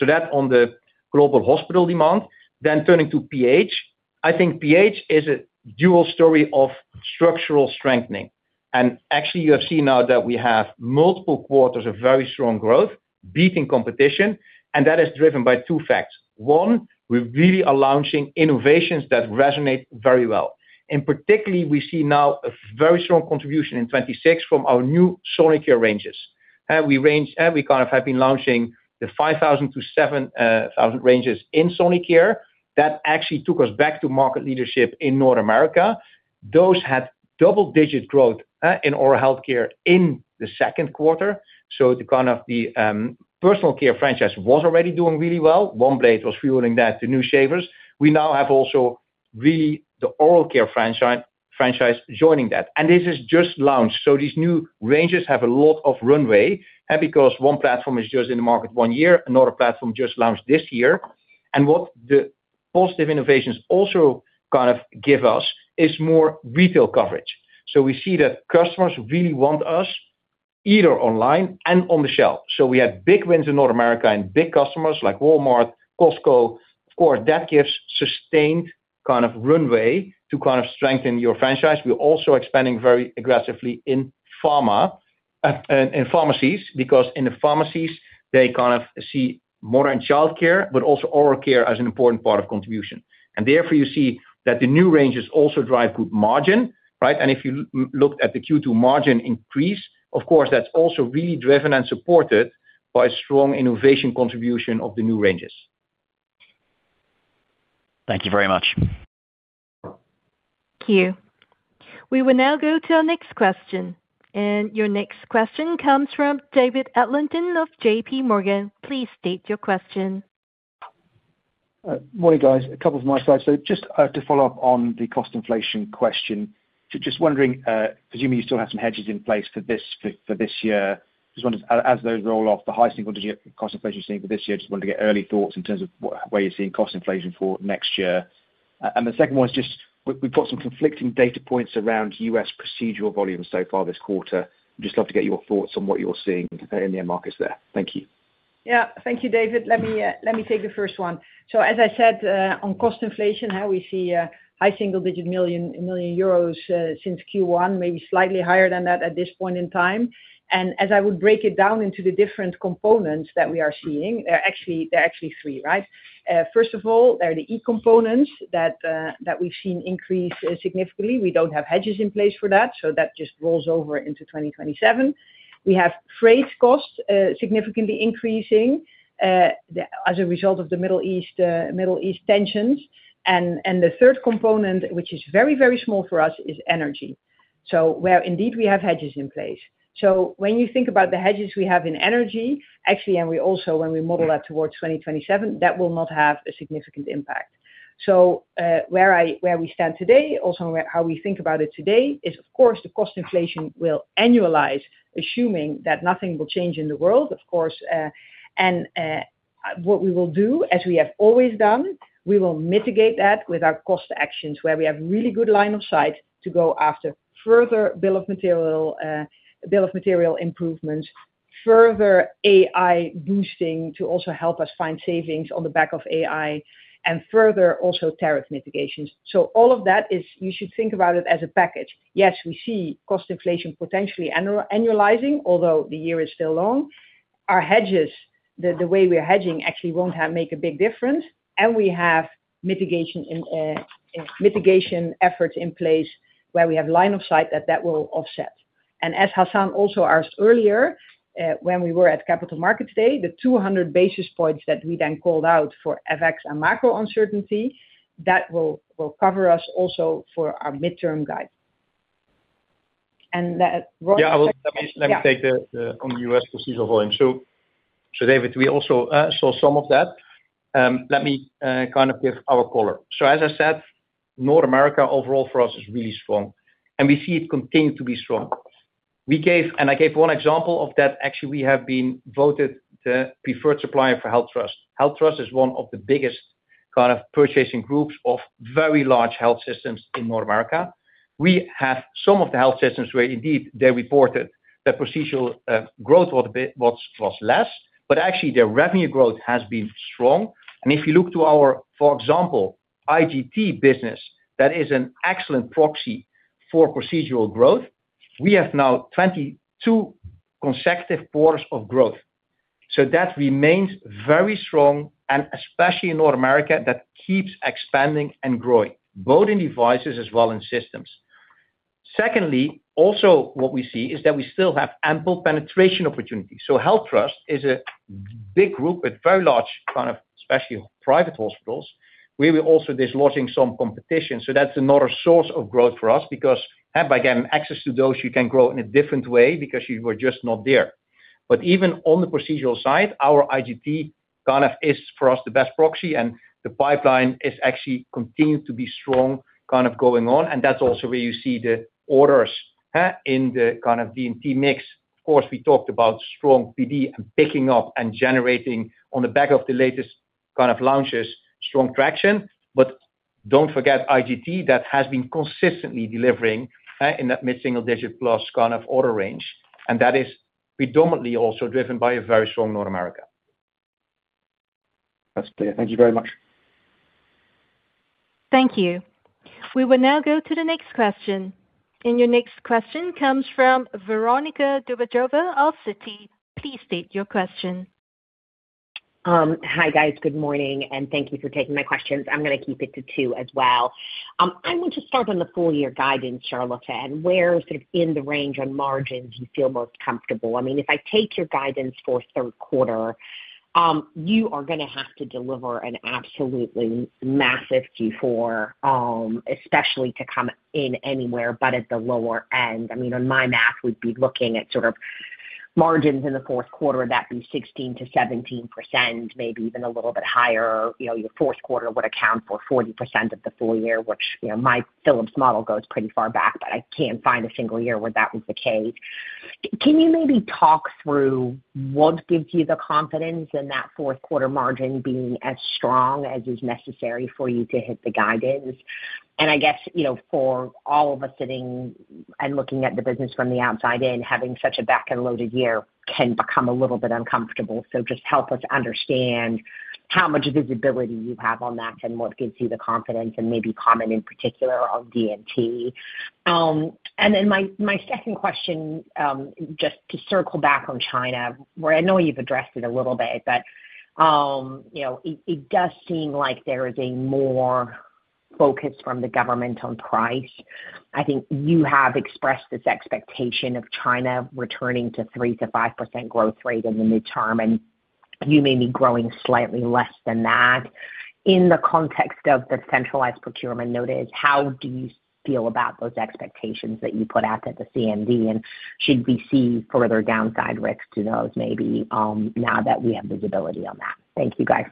B: That on the global hospital demand. Turning to PH. I think PH is a dual story of structural strengthening. Actually, you have seen now that we have multiple quarters of very strong growth, beating competition, and that is driven by two facts. One, we really are launching innovations that resonate very well. Particularly, we see now a very strong contribution in 2026 from our new Sonicare ranges. We kind of have been launching the 5,000-7,000 ranges in Sonicare that actually took us back to market leadership in North America. Those had double-digit growth in oral health care in the second quarter. The kind of the personal care franchise was already doing really well. OneBlade was fueling that, the new shavers. We now have also really the oral care franchise joining that. This is just launched. These new ranges have a lot of runway. Because one platform is just in the market one year, another platform just launched this year What the positive innovations also give us is more retail coverage. We see that customers really want us either online and on the shelf. We have big wins in North America and big customers like Walmart, Costco. Of course, that gives sustained runway to strengthen your franchise. We are also expanding very aggressively in pharmacies, because in the pharmacies, they see more in childcare, but also oral care as an important part of contribution. Therefore, you see that the new ranges also drive good margin, right? If you looked at the Q2 margin increase, of course, that's also really driven and supported by strong innovation contribution of the new ranges.
F: Thank you very much.
D: Thank you. We will now go to our next question, your next question comes from David Adlington of JPMorgan. Please state your question.
G: Morning, guys. A couple from my side. Just to follow up on the cost inflation question, just wondering, presuming you still have some hedges in place for this year, just wondering, as those roll off the high single-digit cost inflation seeing for this year, just wanted to get early thoughts in terms of where you're seeing cost inflation for next year. The second one is just, we've got some conflicting data points around U.S. procedural volumes so far this quarter. Just love to get your thoughts on what you're seeing in the end markets there. Thank you.
C: Thank you, David. Let me take the first one. As I said, on cost inflation, how we see high single-digit million euros, since Q1, maybe slightly higher than that at this point in time. As I would break it down into the different components that we are seeing, they're actually three, right? First of all, they're the e-components that we've seen increase significantly. We don't have hedges in place for that, so that just rolls over into 2027. We have freight costs significantly increasing, as a result of the Middle East tensions. The third component, which is very, very small for us, is energy. Where indeed we have hedges in place. When you think about the hedges we have in energy, actually, we also, when we model that towards 2027, that will not have a significant impact. Where we stand today, also how we think about it today is, of course, the cost inflation will annualize, assuming that nothing will change in the world, of course. What we will do, as we have always done, we will mitigate that with our cost actions where we have really good line of sight to go after further bill of material improvements, further AI boosting to also help us find savings on the back of AI, and further also tariff mitigations. All of that is, you should think about it as a package. Yes, we see cost inflation potentially annualizing, although the year is still long. Our hedges, the way we are hedging actually won't make a big difference, and we have mitigation efforts in place where we have line of sight that that will offset. As Hassan also asked earlier, when we were at Capital Markets Day, the 200 basis points that we then called out for FX and macro uncertainty, that will cover us also for our midterm guide. That, Roy.
B: Let me take on the U.S. procedural volume. David, we also saw some of that. Let me give our color. As I said, North America overall for us is really strong, and we see it continuing to be strong. I gave one example of that. Actually, we have been voted the preferred supplier for HealthTrust. HealthTrust is one of the biggest kind of purchasing groups of very large health systems in North America. We have some of the health systems where indeed they reported that procedural growth was less, but actually their revenue growth has been strong. If you look to our, for example, IGT business, that is an excellent proxy for procedural growth. We have now 22 consecutive quarters of growth. That remains very strong and especially in North America, that keeps expanding and growing, both in devices as well in systems. Secondly, also what we see is that we still have ample penetration opportunities. HealthTrust is a big group with very large kind of especially private hospitals, where we're also dislodging some competition. That's another source of growth for us because by getting access to those, you can grow in a different way because you were just not there. Even on the procedural side, our IGT kind of is for us the best proxy and the pipeline is actually continuing to be strong, kind of going on. That's also where you see the orders in the kind of DMT mix. We talked about strong PD and picking up and generating on the back of the latest kind of launches, strong traction. Don't forget IGT, that has been consistently delivering in that mid-single digit plus kind of order range. That is predominantly also driven by a very strong North America.
G: That's clear. Thank you very much.
D: Thank you. We will now go to the next question. Your next question comes from Veronika Dubajova of Citi. Please state your question.
H: Hi, guys. Good morning, and thank you for taking my questions. I'm going to keep it to two as well. I want to start on the full year guidance, Charlotte. Where sort of in the range on margins you feel most comfortable. If I take your guidance for third quarter, you are going to have to deliver an absolutely massive Q4, especially to come in anywhere but at the lower end. On my math, we'd be looking at sort of margins in the fourth quarter that be 16%-17%, maybe even a little bit higher. Your fourth quarter would account for 40% of the full year, which my Philips model goes pretty far back, but I can't find a single year where that was the case. Can you maybe talk through what gives you the confidence in that fourth quarter margin being as strong as is necessary for you to hit the guidance? I guess, for all of us sitting and looking at the business from the outside in, having such a back-end loaded year can become a little bit uncomfortable. Just help us understand how much visibility you have on that and what gives you the confidence and maybe comment in particular on DMT. My second question, just to circle back on China, where I know you've addressed it a little bit, but it does seem like there is a more focus from the government on price. I think you have expressed this expectation of China returning to 3%-5% growth rate in the midterm, and you may be growing slightly less than that. In the context of the centralized procurement notice, how do you feel about those expectations that you put out at the CMD, and should we see further downside risks to those maybe, now that we have visibility on that? Thank you, guys.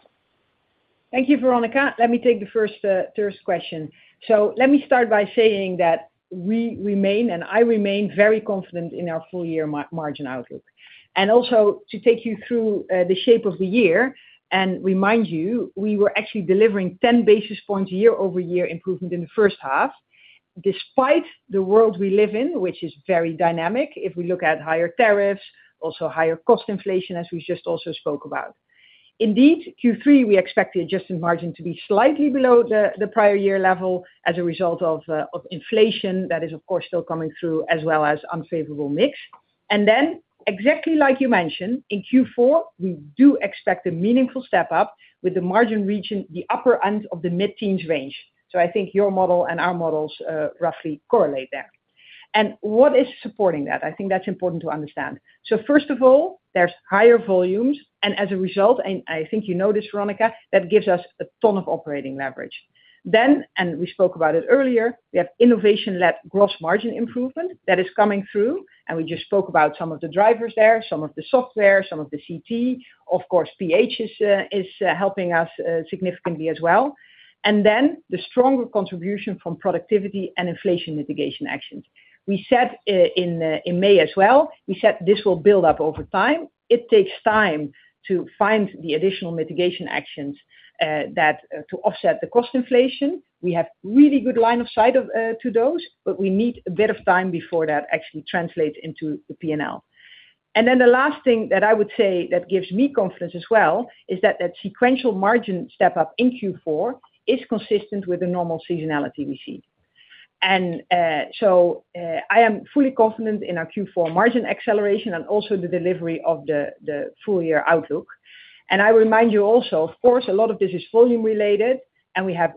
C: Thank you, Veronika. Let me take the first question. Let me start by saying that we remain, and I remain very confident in our full-year margin outlook. Also to take you through the shape of the year and remind you, we were actually delivering 10 basis points year-over-year improvement in the first half, despite the world we live in, which is very dynamic if we look at higher tariffs, also higher cost inflation, as we just also spoke about. Indeed, Q3, we expect the adjusted margin to be slightly below the prior year level as a result of inflation that is, of course, still coming through as well as unfavorable mix. Then, exactly like you mentioned, in Q4, we do expect a meaningful step-up with the margin reaching the upper end of the mid-teens range. I think your model and our models roughly correlate there. What is supporting that? I think that's important to understand. First of all, there's higher volumes, as a result, I think you know this, Veronika, that gives us a ton of operating leverage. We spoke about it earlier, we have innovation-led gross margin improvement that is coming through, and we just spoke about some of the drivers there, some of the software, some of the CT. Of course, PH is helping us significantly as well. The stronger contribution from productivity and inflation mitigation actions. We said in May as well, we said this will build up over time. It takes time to find the additional mitigation actions to offset the cost inflation. We have really good line of sight to those, but we need a bit of time before that actually translates into the P&L. The last thing that I would say that gives me confidence as well is that that sequential margin step-up in Q4 is consistent with the normal seasonality we see. I am fully confident in our Q4 margin acceleration and also the delivery of the full-year outlook. I remind you also, of course, a lot of this is volume related, and we have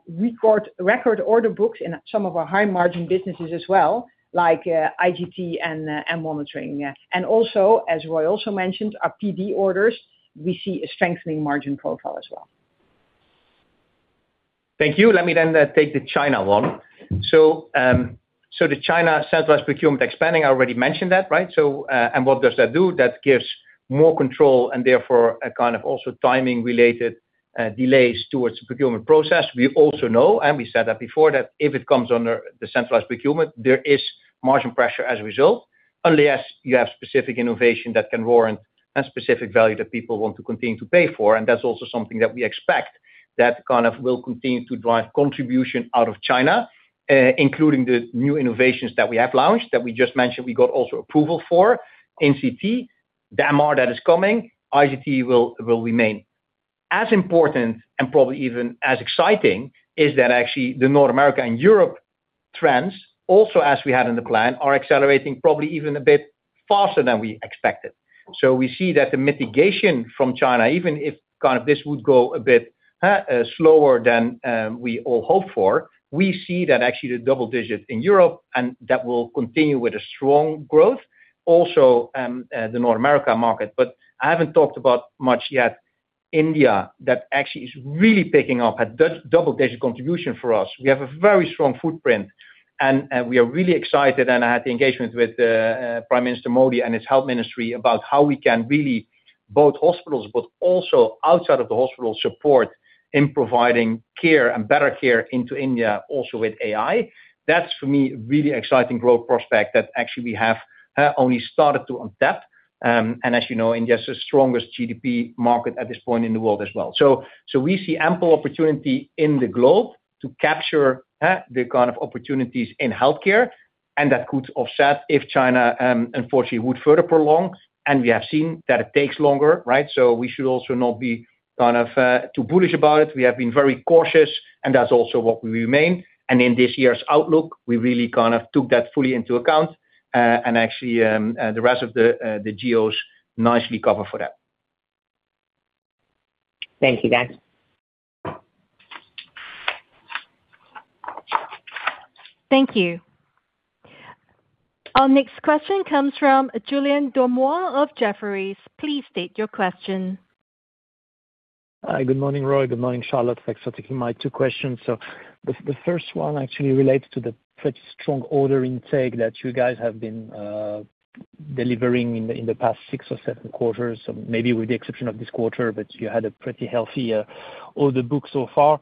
C: record order books in some of our high margin businesses as well, like IGT and monitoring. Also, as Roy also mentioned, our PD orders, we see a strengthening margin profile as well.
B: Thank you. Let me then take the China one. The China centralized procurement expanding, I already mentioned that, right? What does that do? That gives more control and therefore, kind of also timing-related delays towards the procurement process. We also know, and we said that before, that if it comes under the centralized procurement, there is margin pressure as a result, unless you have specific innovation that can warrant a specific value that people want to continue to pay for. That's also something that we expect that kind of will continue to drive contribution out of China, including the new innovations that we have launched, that we just mentioned we got also approval for in CT. MR that is coming. IGT will remain. As important and probably even as exciting is that actually the North America and Europe trends, also as we had in the plan, are accelerating probably even a bit faster than we expected. We see that the mitigation from China, even if kind of this would go a bit slower than we all hope for, we see that actually the double-digit in Europe and that will continue with a strong growth also the North America market. I haven't talked about much yet India, that actually is really picking up a double-digit contribution for us. We have a very strong footprint, and we are really excited and had engagement with Prime Minister Modi and his health ministry about how we can really both hospitals but also outside of the hospital support in providing care and better care into India also with AI. That's for me really exciting growth prospect that actually we have only started to untap. As you know, India is the strongest GDP market at this point in the world as well. We see ample opportunity in the globe to capture the kind of opportunities in healthcare, and that could offset if China unfortunately would further prolong. We have seen that it takes longer, right? We should also not be kind of too bullish about it. We have been very cautious, and that's also what we remain. In this year's outlook, we really kind of took that fully into account. Actually, the rest of the geos nicely cover for that.
H: Thank you, guys.
D: Thank you. Our next question comes from Julien Dormois of Jefferies. Please state your question.
I: Hi, good morning, Roy. Good morning, Charlotte. Thanks for taking my two questions. The first one actually relates to the pretty strong order intake that you guys have been delivering in the past six or seven quarters, maybe with the exception of this quarter, but you had a pretty healthy order book so far.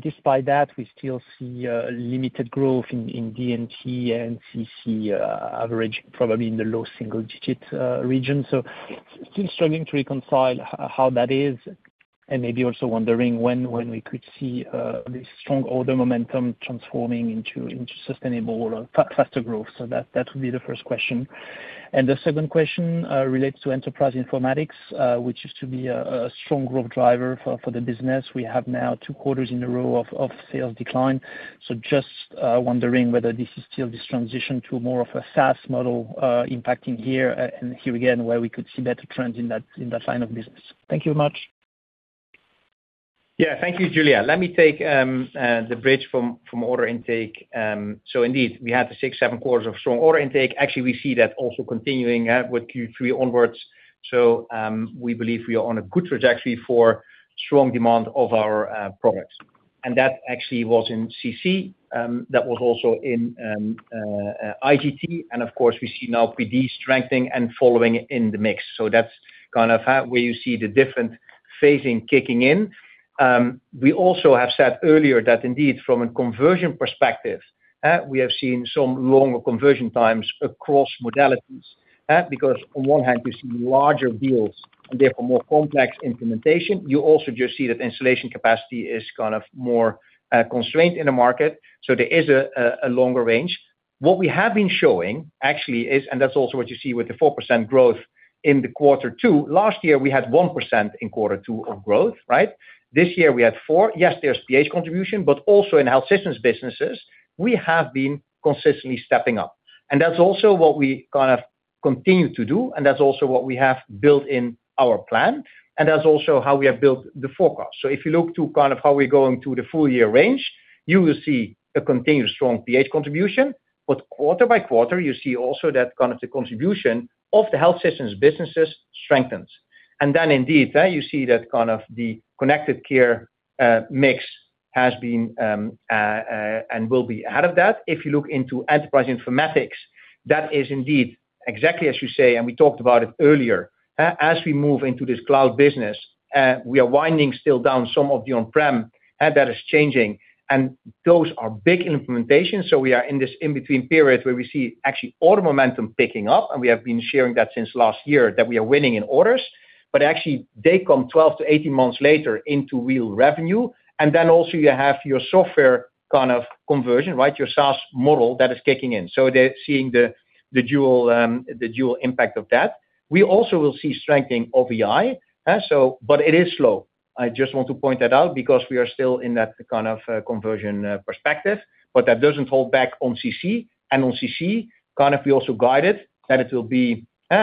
I: Despite that, we still see limited growth in DMT and CC averaging probably in the low single digit region. Still struggling to reconcile how that is. Maybe also wondering when we could see this strong order momentum transforming into sustainable or faster growth. That would be the first question. The second question relates to Enterprise Informatics, which used to be a strong growth driver for the business. We have now two quarters in a row of sales decline. Just wondering whether this is still this transition to more of a SaaS model impacting here, and here again, where we could see better trends in that line of business. Thank you very much.
B: Yeah. Thank you, Julien. Let me take the bridge from order intake. Indeed, we had the six, seven quarters of strong order intake. Actually, we see that also continuing with Q3 onwards. We believe we are on a good trajectory for strong demand of our products. That actually was in CC, that was also in IGT, and of course, we see now PD strengthening and following in the mix. That's kind of where you see the different phasing kicking in. We also have said earlier that indeed from a conversion perspective, we have seen some longer conversion times across modalities, because on one hand you see larger deals and therefore more complex implementation. You also just see that installation capacity is kind of more constrained in the market. There is a longer range. What we have been showing, actually, is what you see with the 4% growth in the quarter two. Last year, we had 1% in quarter two of growth, right? This year we had four. Yes, there's PH contribution, but also in health systems businesses, we have been consistently stepping up. That's also what we kind of continue to do, and that's also what we have built in our plan. That's also how we have built the forecast. If you look to kind of how we're going through the full-year range, you will see a continuous strong PH contribution. But quarter by quarter, you see also that kind of the contribution of the health systems businesses strengthens. Then indeed, there you see that kind of the Connected Care mix has been, and will be out of that. If you look into Enterprise Informatics, that is indeed exactly as you say. We talked about it earlier. As we move into this cloud business, we are winding still down some of the on-prem. That is changing. Those are big implementations, so we are in this in-between period where we see actually order momentum picking up, and we have been sharing that since last year that we are winning in orders. But actually, they come 12-18 months later into real revenue. Then also you have your software kind of conversion, right? Your SaaS model that is kicking in. There's seeing the dual impact of that. We also will see strengthening of EI. But it is slow. I just want to point that out because we are still in that kind of conversion perspective, but that doesn't hold back on CC. On CC, we also guided that it will be in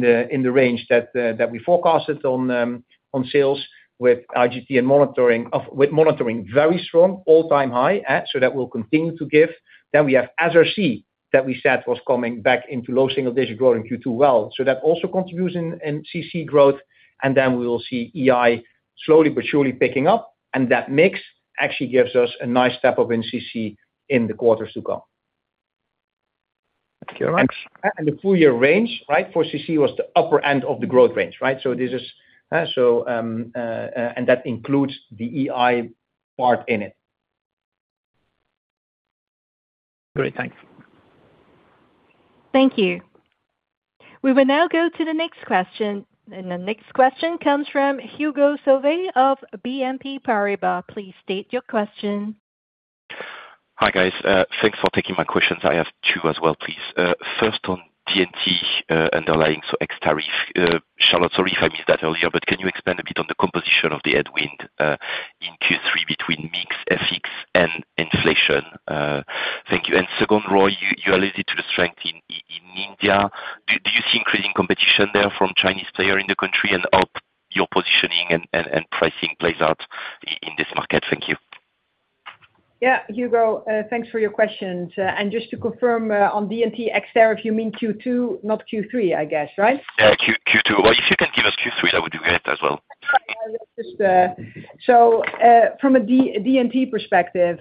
B: the range that we forecasted on sales with IGT and with monitoring very strong all-time high. That will continue to give. We have Azurion that we said was coming back into low single-digit growth in Q2 as well. That also contributes in CC growth. We will see EI slowly but surely picking up. That mix actually gives us a nice step up in CC in the quarters to come.
I: Thank you very much.
B: The full year range, right, for CC was the upper end of the growth range, right? That includes the EI part in it.
I: Great, thanks.
D: Thank you. We will now go to the next question. The next question comes from Hugo Solvet of BNP Paribas. Please state your question.
J: Hi, guys. Thanks for taking my questions. I have two as well, please. First on D&T underlying, so ex tariff. Charlotte, sorry if I missed that earlier, but can you expand a bit on the composition of the headwind in Q3 between mix, FX, and inflation? Thank you. Second, Roy, you alluded to the strength in India. Do you see increasing competition there from Chinese player in the country and how your positioning and pricing plays out in this market? Thank you.
C: Yeah. Hugo, thanks for your questions. Just to confirm on D&T ex tariff, you mean Q2, not Q3, I guess, right?
J: Yeah. Q2. Well, if you can give us Q3, that would be great as well.
C: From a D&T perspective.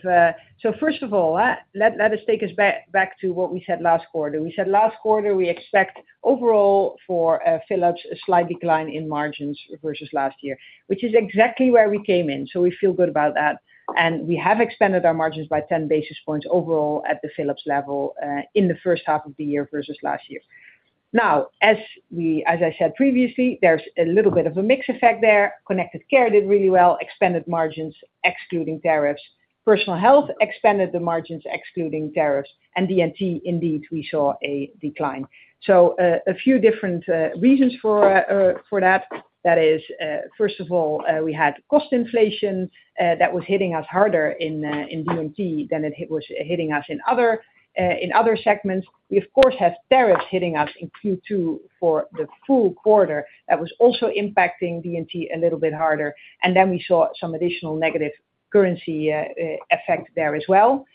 C: First of all, let us take us back to what we said last quarter. We said last quarter, we expect overall for Philips a slight decline in margins versus last year, which is exactly where we came in. We feel good about that. We have expanded our margins by 10 basis points overall at the Philips level, in the first half of the year versus last year. Now, as I said previously, there's a little bit of a mix effect there. Connected Care did really well, expanded margins, excluding tariffs. Personal Health expanded the margins excluding tariffs. D&T, indeed, we saw a decline. A few different reasons for that. That is, first of all, we had cost inflation, that was hitting us harder in D&T than it was hitting us in other segments. We, of course, have tariffs hitting us in Q2 for the full quarter. That was also impacting D&T a little bit harder. We saw some additional negative currency effect there as well.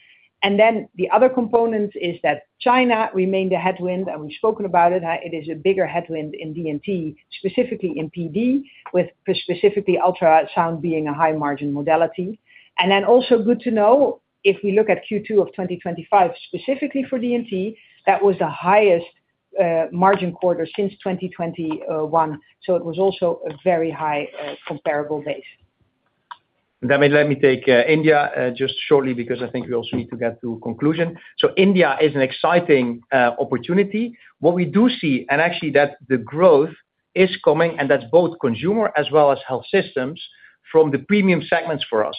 C: The other component is that China remained a headwind, and we've spoken about it. It is a bigger headwind in D&T, specifically in PD, with specifically ultrasound being a high margin modality. Also good to know, if we look at Q2 of 2025, specifically for D&T, that was the highest margin quarter since 2021. It was also a very high comparable base.
B: Let me take India just shortly because I think we also need to get to conclusion. India is an exciting opportunity. What we do see, and actually that the growth is coming and that's both consumer as well as health systems from the premium segments for us.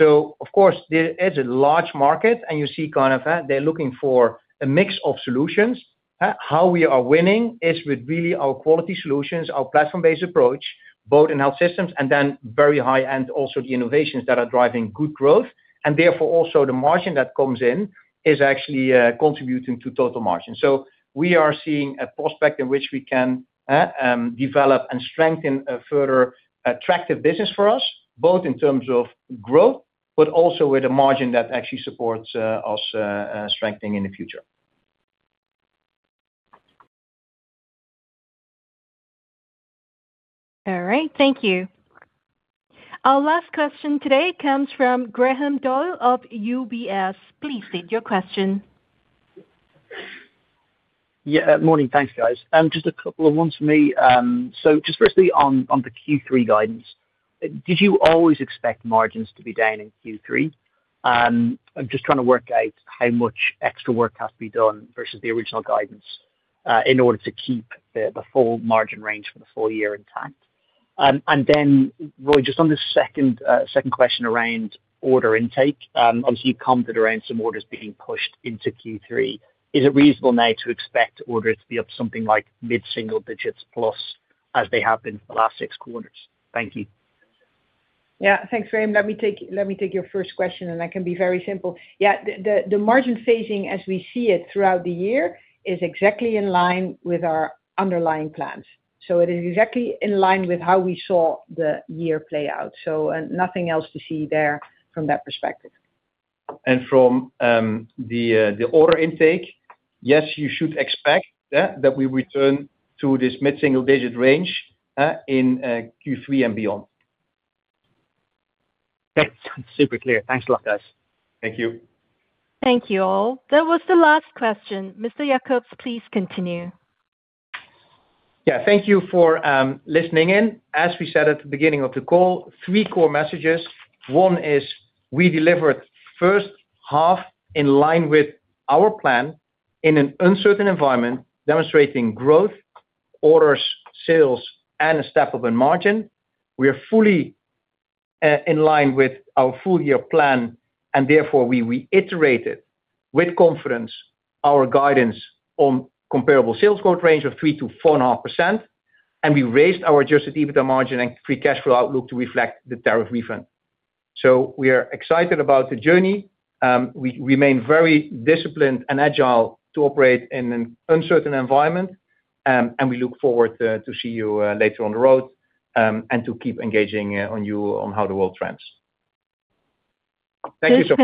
B: Of course, it's a large market and you see kind of they're looking for a mix of solutions. How we are winning is with really our quality solutions, our platform-based approach, both in health systems and then very high, and also the innovations that are driving good growth. Therefore, also the margin that comes in is actually contributing to total margin. We are seeing a prospect in which we can develop and strengthen a further attractive business for us, both in terms of growth, but also with a margin that actually supports us strengthening in the future.
D: All right. Thank you. Our last question today comes from Graham Doyle of UBS. Please state your question.
K: Yeah. Morning. Thanks, guys. Just a couple of ones for me. Just firstly on the Q3 guidance, did you always expect margins to be down in Q3? I'm just trying to work out how much extra work has to be done versus the original guidance, in order to keep the full margin range for the full year intact. Roy, just on the second question around order intake. Obviously, you commented around some orders being pushed into Q3. Is it reasonable now to expect orders to be up something like mid-single digits plus as they have been for the last six quarters? Thank you.
C: Yeah. Thanks, Graham. Let me take your first question. I can be very simple. Yeah, the margin phasing as we see it throughout the year is exactly in line with our underlying plans. It is exactly in line with how we saw the year play out. Nothing else to see there from that perspective.
B: From the order intake, yes, you should expect that we return to this mid-single-digit range in Q3 and beyond.
K: That's super clear. Thanks a lot, guys.
B: Thank you.
D: Thank you all. That was the last question. Mr. Jakobs, please continue.
B: Yeah. Thank you for listening in. As we said at the beginning of the call, three core messages. One is we delivered first half in line with our plan in an uncertain environment, demonstrating growth, orders, sales, and a step up in margin. We are fully in line with our full-year plan, and therefore we reiterated with confidence our guidance on comparable sales growth range of 3%-4.5%, and we raised our adjusted EBITDA margin and free cash flow outlook to reflect the tariff refund. We are excited about the journey. We remain very disciplined and agile to operate in an uncertain environment, and we look forward to see you later on the road, and to keep engaging on you on how the world trends. Thank you so much.